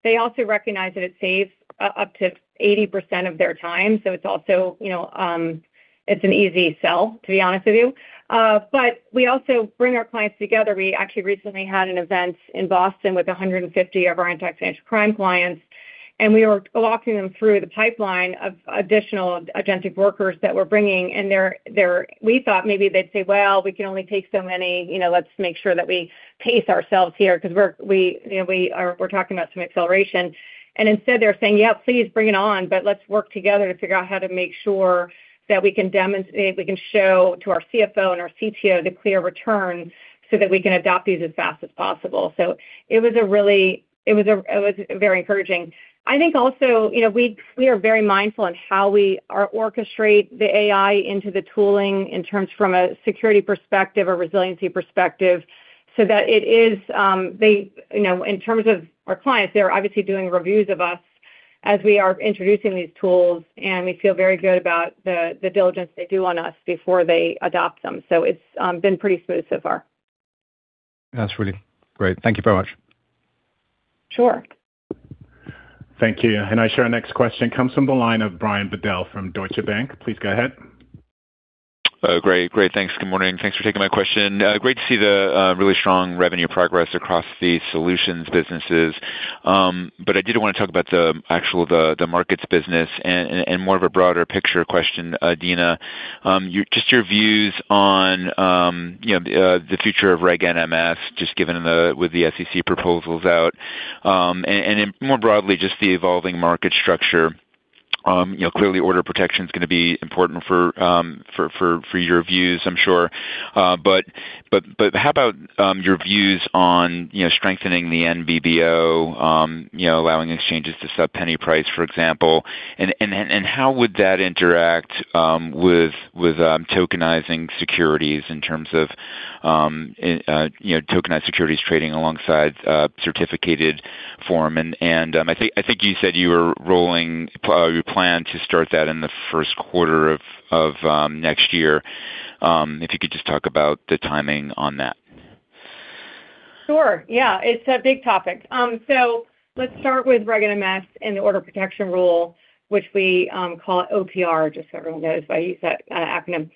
They also recognize that it saves up to 80% of their time. It's an easy sell, to be honest with you. We also bring our clients together. We actually recently had an event in Boston with 150 of our anti-financial crime clients, and we were walking them through the pipeline of additional agentic workers that we're bringing, and we thought maybe they'd say, "Well, we can only take so many. Let's make sure that we pace ourselves here," because we're talking about some acceleration. Instead, they're saying, "Yep, please bring it on, but let's work together to figure out how to make sure that we can show to our CFO and our CTO the clear return so that we can adopt these as fast as possible." It was very encouraging. I think also, we are very mindful in how we orchestrate the AI into the tooling in terms from a security perspective, a resiliency perspective, so that it is. In terms of our clients, they're obviously doing reviews of us as we are introducing these tools, and we feel very good about the diligence they do on us before they adopt them. It's been pretty smooth so far. That's really great. Thank you very much. Sure. Thank you. Our next question comes from the line of Brian Bedell from Deutsche Bank. Please go ahead. Great. Thanks. Good morning. Thanks for taking my question. Great to see the really strong revenue progress across the solutions businesses. I did want to talk about the actual markets business and more of a broader picture question, Adena. Just your views on the future of Reg NMS, just given with the SEC proposals out. Then more broadly, just the evolving market structure. Clearly order protection's going to be important for your views, I'm sure. How about your views on strengthening the NBBO, allowing exchanges to sub-penny price, for example, and how would that interact with tokenizing securities in terms of tokenized securities trading alongside certificated form? I think you said you plan to start that in the first quarter of next year. If you could just talk about the timing on that. Sure. Yeah. It's a big topic. Let's start with Reg NMS and the Order Protection Rule, which we call OPR, just so everyone knows, but I use that acronym.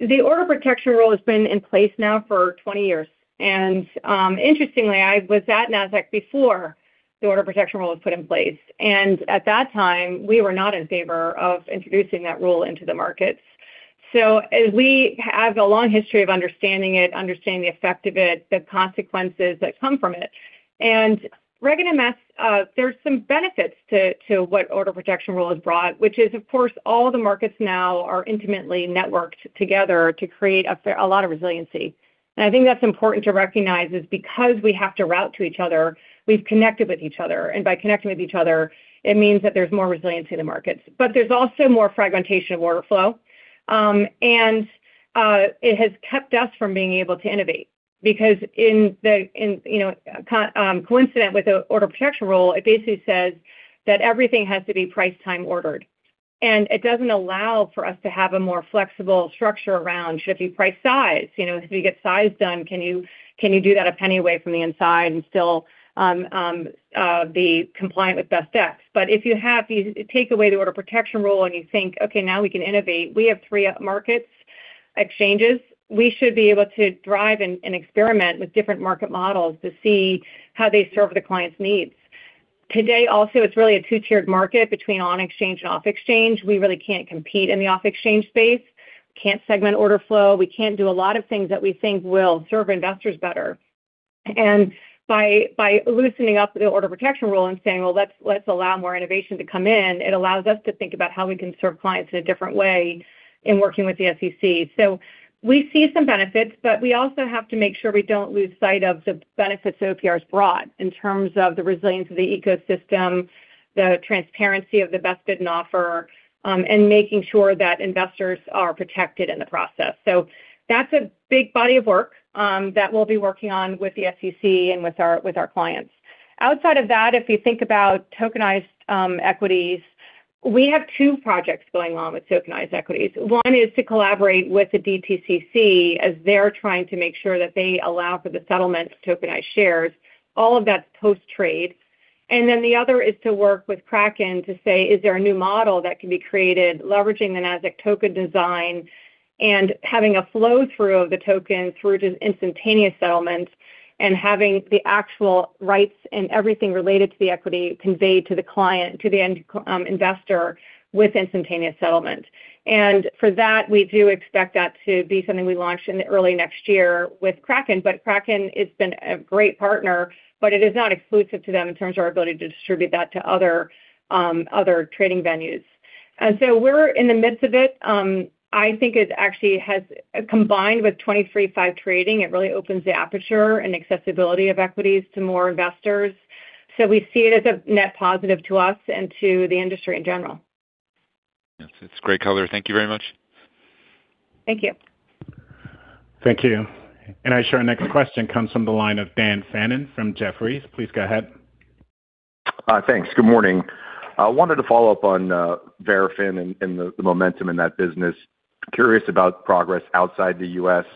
The Order Protection Rule has been in place now for 20 years. Interestingly, I was at Nasdaq before the Order Protection Rule was put in place. At that time, we were not in favor of introducing that rule into the markets. As we have a long history of understanding it, understanding the effect of it, the consequences that come from it, and Reg NMS, there's some benefits to what Order Protection Rule has brought, which is, of course, all the markets now are intimately networked together to create a lot of resiliency. I think that's important to recognize is because we have to route to each other, we've connected with each other. By connecting with each other, it means that there's more resiliency in the markets. There's also more fragmentation of order flow. It has kept us from being able to innovate, because coincident with the Order Protection Rule, it basically says that everything has to be price time ordered. It doesn't allow for us to have a more flexible structure around should it be price size. If you get size done, can you do that a penny away from the inside and still be compliant with BestEx? If you take away the Order Protection Rule and you think, "Okay, now we can innovate." We have three markets exchanges. We should be able to drive and experiment with different market models to see how they serve the client's needs. Today, also, it's really a two-tiered market between on-exchange and off-exchange. We really can't compete in the off-exchange space. We can't segment order flow. We can't do a lot of things that we think will serve investors better. By loosening up the Order Protection Rule and saying, "Well, let's allow more innovation to come in," it allows us to think about how we can serve clients in a different way in working with the SEC. We see some benefits, but we also have to make sure we don't lose sight of the benefits OPR's brought in terms of the resilience of the ecosystem, the transparency of the best bid and offer, and making sure that investors are protected in the process. That's a big body of work that we'll be working on with the SEC and with our clients. Outside of that, if you think about tokenized equities, we have two projects going on with tokenized equities. One is to collaborate with the DTCC as they're trying to make sure that they allow for the settlement of tokenized shares. All of that's post-trade. The other is to work with Kraken to say, is there a new model that can be created leveraging the Nasdaq token design and having a flow-through of the token through to instantaneous settlements and having the actual rights and everything related to the equity conveyed to the client, to the end investor with instantaneous settlement. For that, we do expect that to be something we launch in early next year with Kraken. Kraken, it's been a great partner, but it is not exclusive to them in terms of our ability to distribute that to other trading venues. We're in the midst of it. I think it actually has combined with 23/5 trading. It really opens the aperture and accessibility of equities to more investors. We see it as a net positive to us and to the industry in general. Yes, it's great color. Thank you very much. Thank you. Thank you. Our next question comes from the line of Dan Fannon from Jefferies. Please go ahead. Thanks. Good morning. I wanted to follow up on Verafin and the momentum in that business. Curious about progress outside the U.S.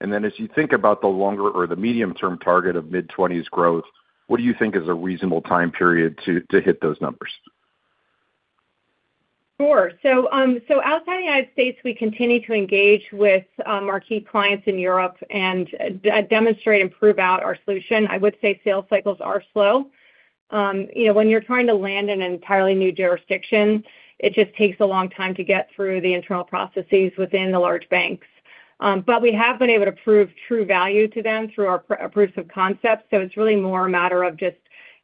As you think about the longer or the medium-term target of mid-20s growth, what do you think is a reasonable time period to hit those numbers? Sure. Outside the United States, we continue to engage with marquee clients in Europe and demonstrate and prove out our solution. I would say sales cycles are slow. When you're trying to land in an entirely new jurisdiction, it just takes a long time to get through the internal processes within the large banks. We have been able to prove true value to them through our proofs of concept. It's really more a matter of just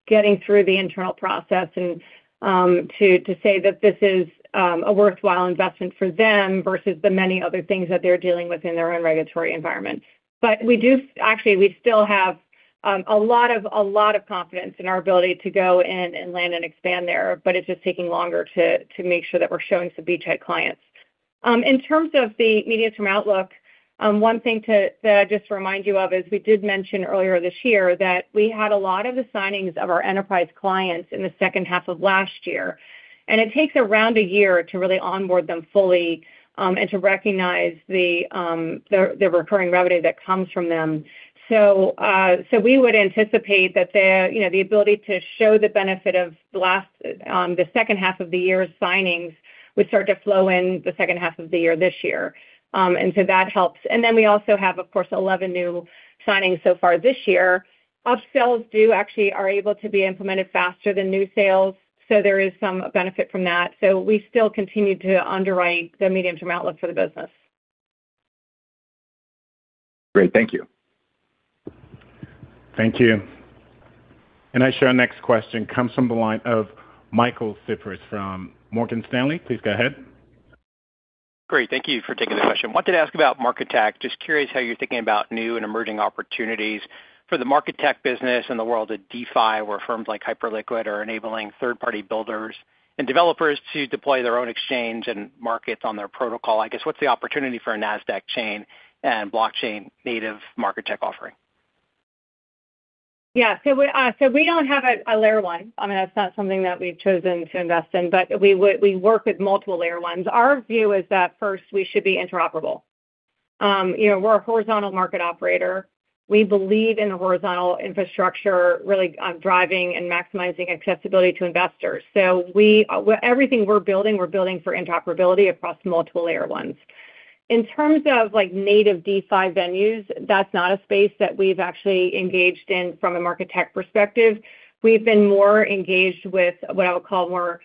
getting through the internal process and to say that this is a worthwhile investment for them versus the many other things that they're dealing with in their own regulatory environment. We do actually still have a lot of confidence in our ability to go in and land and expand there. It's just taking longer to make sure that we're showing some B-type clients. In terms of the medium-term outlook, one thing to just remind you of is we did mention earlier this year that we had a lot of the signings of our enterprise clients in the second half of last year. It takes around a year to really onboard them fully, and to recognize the recurring revenue that comes from them. We would anticipate that the ability to show the benefit of the second half of the year's signings would start to flow in the second half of the year this year. That helps. We also have, of course, 11 new signings so far this year. Upsells do actually are able to be implemented faster than new sales, so there is some benefit from that. We still continue to underwrite the medium-term outlook for the business. Great. Thank you. Thank you. Our next question comes from the line of Michael Cyprys from Morgan Stanley. Please go ahead. Great. Thank you for taking the question. Wanted to ask about Market Tech. Just curious how you're thinking about new and emerging opportunities for the Market Tech business in the world of DeFi, where firms like Hyperliquid are enabling third-party builders and developers to deploy their own exchange and markets on their protocol. I guess, what's the opportunity for a Nasdaq chain and blockchain-native Market Tech offering? Yeah. So we don't have a Layer 1. I mean, that's not something that we've chosen to invest in, but we work with multiple Layer 1s. Our view is that first we should be interoperable. We're a horizontal market operator. We believe in a horizontal infrastructure, really on driving and maximizing accessibility to investors. So everything we're building, we're building for interoperability across multiple Layer 1s. In terms of native DeFi venues, that's not a space that we've actually engaged in from a Market Tech perspective. We've been more engaged with what I would call more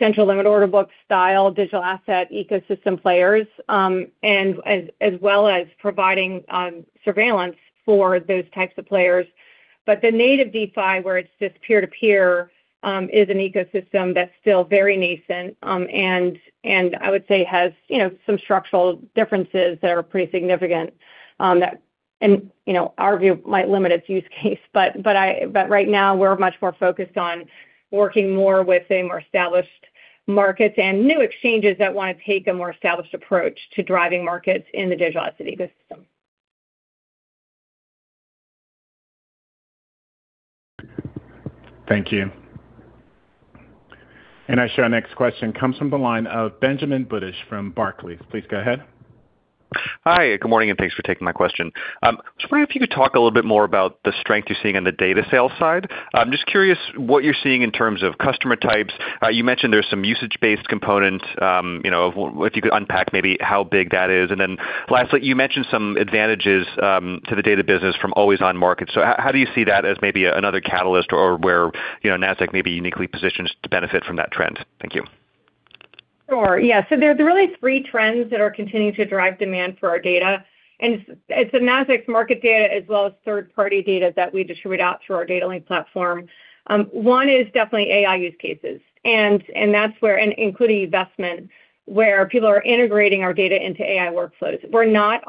central limit order book-style digital asset ecosystem players, as well as providing Surveillance for those types of players. But the native DeFi, where it's just peer-to-peer, is an ecosystem that's still very nascent, and I would say has some structural differences that are pretty significant. Our view might limit its use case, but right now we're much more focused on working more within more established markets and new exchanges that want to take a more established approach to driving markets in the digital asset ecosystem. Thank you. Our next question comes from the line of Benjamin Budish from Barclays. Please go ahead. Hi, good morning, and thanks for taking my question. I was wondering if you could talk a little bit more about the strength you're seeing on the data sales side. I'm just curious what you're seeing in terms of customer types. You mentioned there's some usage-based components, if you could unpack maybe how big that is. Then lastly, you mentioned some advantages to the data business from always-on market. How do you see that as maybe another catalyst or where Nasdaq may be uniquely positioned to benefit from that trend? Thank you. Sure. Yeah. There are really three trends that are continuing to drive demand for our data, and it's the Nasdaq market data as well as third-party data that we distribute out through our Data Link platform. One is definitely AI use cases, including investment, where people are integrating our data into AI workflows. We're not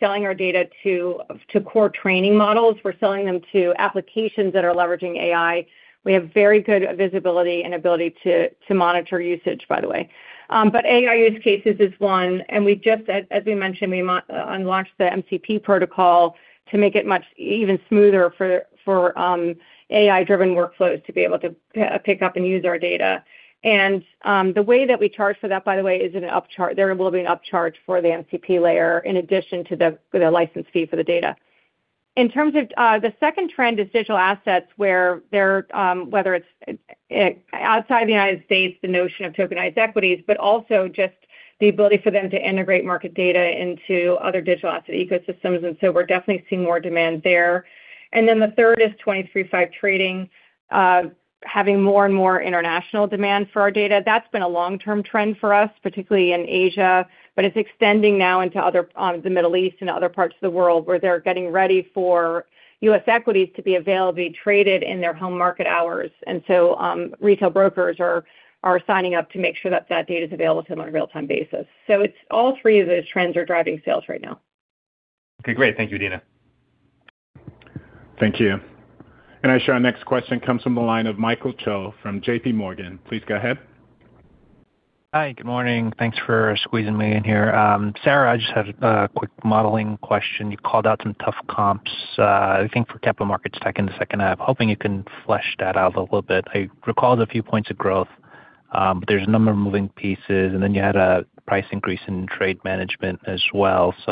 selling our data to core training models. We're selling them to applications that are leveraging AI. We have very good visibility and ability to monitor usage, by the way. AI use cases is one, and we just, as we mentioned, we launched the MCP protocol to make it much even smoother for AI-driven workflows to be able to pick up and use our data. The way that we charge for that, by the way, there will be an upcharge for the MCP layer in addition to the license fee for the data. The second trend is digital assets, whether it's outside the United States, the notion of tokenized equities, but also just the ability for them to integrate market data into other digital asset ecosystems. We're definitely seeing more demand there. The third is 23/5 trading, having more and more international demand for our data. That's been a long-term trend for us, particularly in Asia. It's extending now into the Middle East and other parts of the world where they're getting ready for U.S. equities to be available, be traded in their home market hours. Retail brokers are signing up to make sure that that data's available to them on a real-time basis. It's all three of those trends are driving sales right now. Okay, great. Thank you, Adena. Thank you. I show our next question comes from the line of Michael Cho from JPMorgan. Please go ahead. Hi, good morning. Thanks for squeezing me in here. Sarah, I just have a quick modeling question. You called out some tough comps, I think for Capital Markets Tech in the second half. Hoping you can flesh that out a little bit. I recall the few points of growth, but there's a number of moving pieces, and then you had a price increase in trade management as well. Just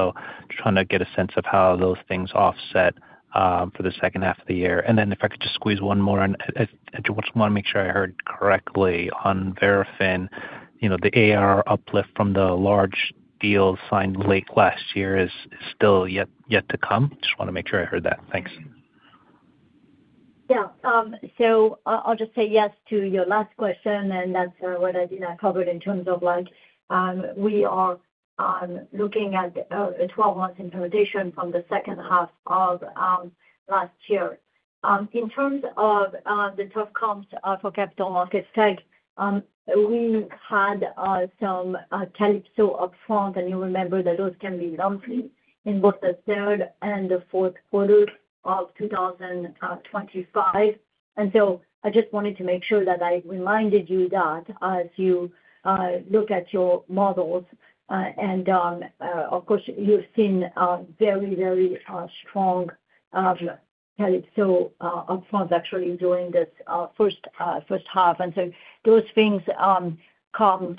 trying to get a sense of how those things offset for the second half of the year. If I could just squeeze one more in. I just want to make sure I heard correctly on Verafin. The ARR uplift from the large deal signed late last year is still yet to come? Just want to make sure I heard that. Thanks. Yeah. I'll just say yes to your last question, and that's what Adena covered in terms of like, we are looking at a 12-month implementation from the second half of last year. In terms of the tough comps for capital markets tech, we had some Calypso upfront, and you remember that those can be lumpy in both the third and the fourth quarter of 2025. I just wanted to make sure that I reminded you that as you look at your models. Of course, you've seen very strong Calypso upfront, actually during this first half. Those things come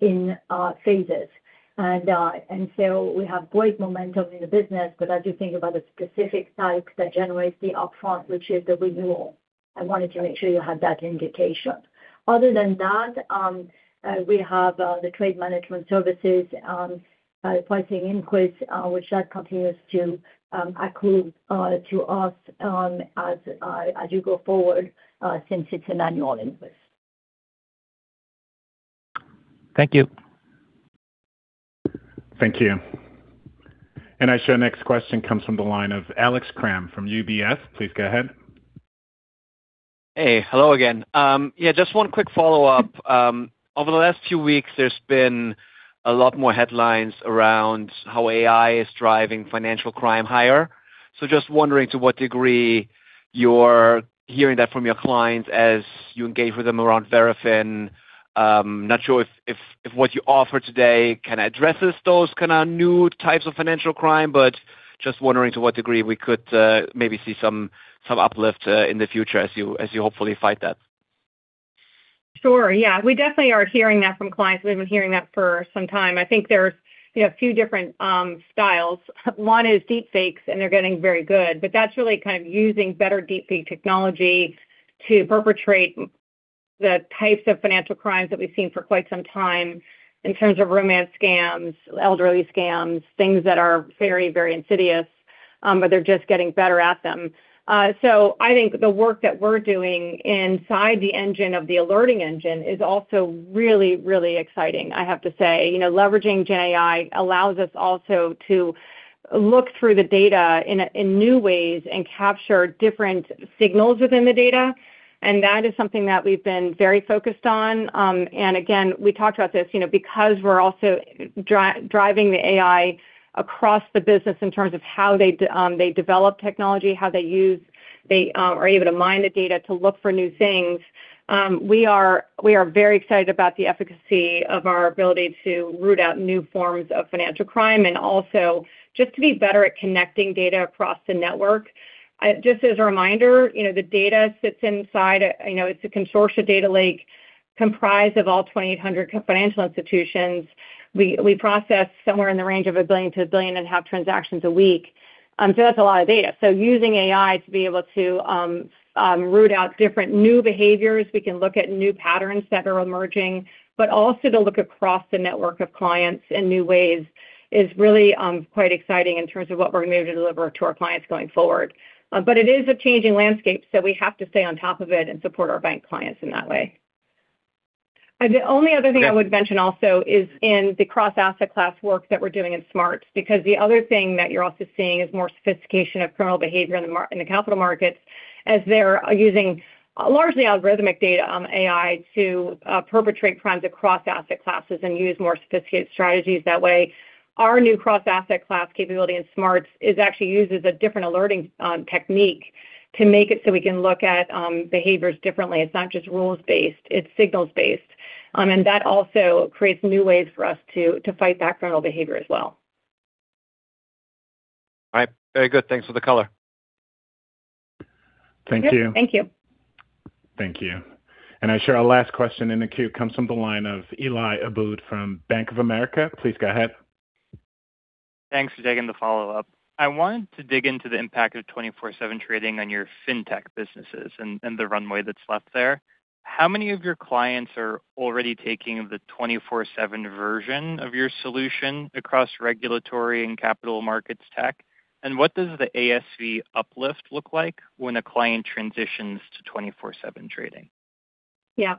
in phases. We have great momentum in the business, but as you think about the specific type that generates the upfront, which is the renewal, I wanted to make sure you had that indication. Other than that, we have the trade management services pricing increase, which that continues to accrue to us as you go forward, since it's an annual increase. Thank you. Thank you. I show our next question comes from the line of Alex Kramm from UBS. Please go ahead. Just one quick follow-up. Over the last few weeks, there's been a lot more headlines around how AI is driving financial crime higher. Just wondering to what degree you're hearing that from your clients as you engage with them around Verafin. Not sure if what you offer today kind of addresses those kind of new types of financial crime, but just wondering to what degree we could maybe see some uplift in the future as you hopefully fight that. Sure. We definitely are hearing that from clients. We've been hearing that for some time. I think there's a few different styles. One is deep fakes, and they're getting very good, but that's really kind of using better deep fake technology to perpetrate the types of financial crimes that we've seen for quite some time in terms of romance scams, elderly scams, things that are very insidious, but they're just getting better at them. I think the work that we're doing inside the engine of the alerting engine is also really exciting, I have to say. Leveraging GenAI allows us also to look through the data in new ways and capture different signals within the data, and that is something that we've been very focused on. Again, we talked about this, because we're also driving the AI across the business in terms of how they develop technology, how they are able to mine the data to look for new things. We are very excited about the efficacy of our ability to root out new forms of financial crime, and also just to be better at connecting data across the network. Just as a reminder, the data sits inside a consortia data lake comprised of all 2,800 financial institutions. We process somewhere in the range of 1 billion-1.5 billion transactions a week. That's a lot of data. Using AI to be able to root out different new behaviors, we can look at new patterns that are emerging, but also to look across the network of clients in new ways is really quite exciting in terms of what we're going to be able to deliver to our clients going forward. It is a changing landscape, so we have to stay on top of it and support our bank clients in that way. The only other thing I would mention also is in the cross-asset class work that we're doing in SMARTS. The other thing that you're also seeing is more sophistication of criminal behavior in the capital markets as they're using largely algorithmic data on AI to perpetrate crimes across asset classes and use more sophisticated strategies that way. Our new cross-asset class capability in SMARTS is actually uses a different alerting technique to make it so we can look at behaviors differently. It's not just rules based, it's signals based. That also creates new ways for us to fight that criminal behavior as well. All right. Very good. Thanks for the color. Thank you. Thank you. Thank you. I show our last question in the queue comes from the line of Eli Abboud from Bank of America. Please go ahead. Thanks for taking the follow-up. I wanted to dig into the impact of 24/7 trading on your FinTech businesses and the runway that's left there. How many of your clients are already taking the 24/7 version of your solution across Regulatory and Capital Markets Tech? What does the ASV uplift look like when a client transitions to 24/7 trading? Yeah.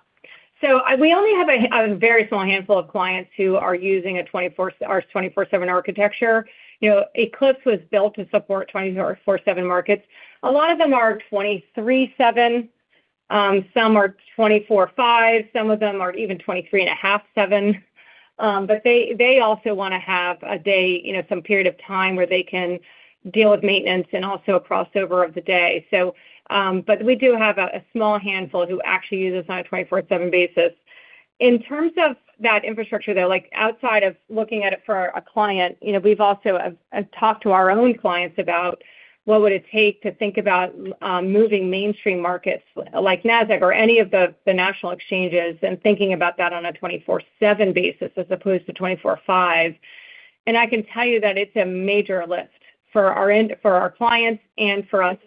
We only have a very small handful of clients who are using our 24/7 architecture. Eqlipse was built to support 24/7 markets. A lot of them are 23/7, some are 24/5, some of them are even 23.5/7. They also want to have a day, some period of time where they can deal with maintenance and also a crossover of the day. We do have a small handful who actually use us on a 24/7 basis. In terms of that infrastructure, though, like outside of looking at it for a client, we've also talked to our own clients about what would it take to think about moving mainstream markets like Nasdaq or any of the national exchanges, and thinking about that on a 24/7 basis as opposed to 24/5. I can tell you that it's a major lift for our clients and for us,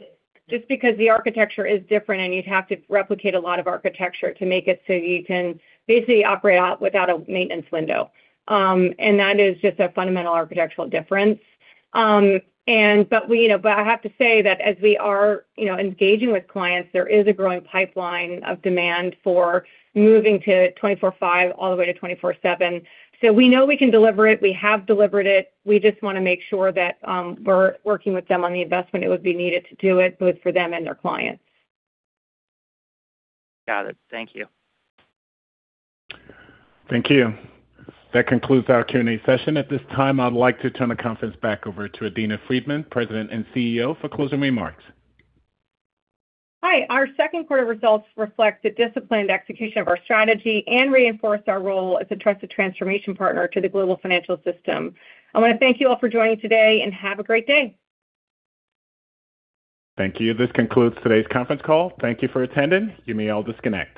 just because the architecture is different, and you'd have to replicate a lot of architecture to make it so you can basically operate without a maintenance window. That is just a fundamental architectural difference. I have to say that as we are engaging with clients, there is a growing pipeline of demand for moving to 24/5 all the way to 24/7. We know we can deliver it. We have delivered it. We just want to make sure that we're working with them on the investment it would be needed to do it, both for them and their clients. Got it. Thank you. Thank you. That concludes our Q&A session. At this time, I'd like to turn the conference back over to Adena Friedman, President and CEO, for closing remarks. Hi. Our second quarter results reflect the disciplined execution of our strategy and reinforce our role as a trusted transformation partner to the global financial system. I want to thank you all for joining today, and have a great day. Thank you. This concludes today's conference call. Thank you for attending. You may all disconnect.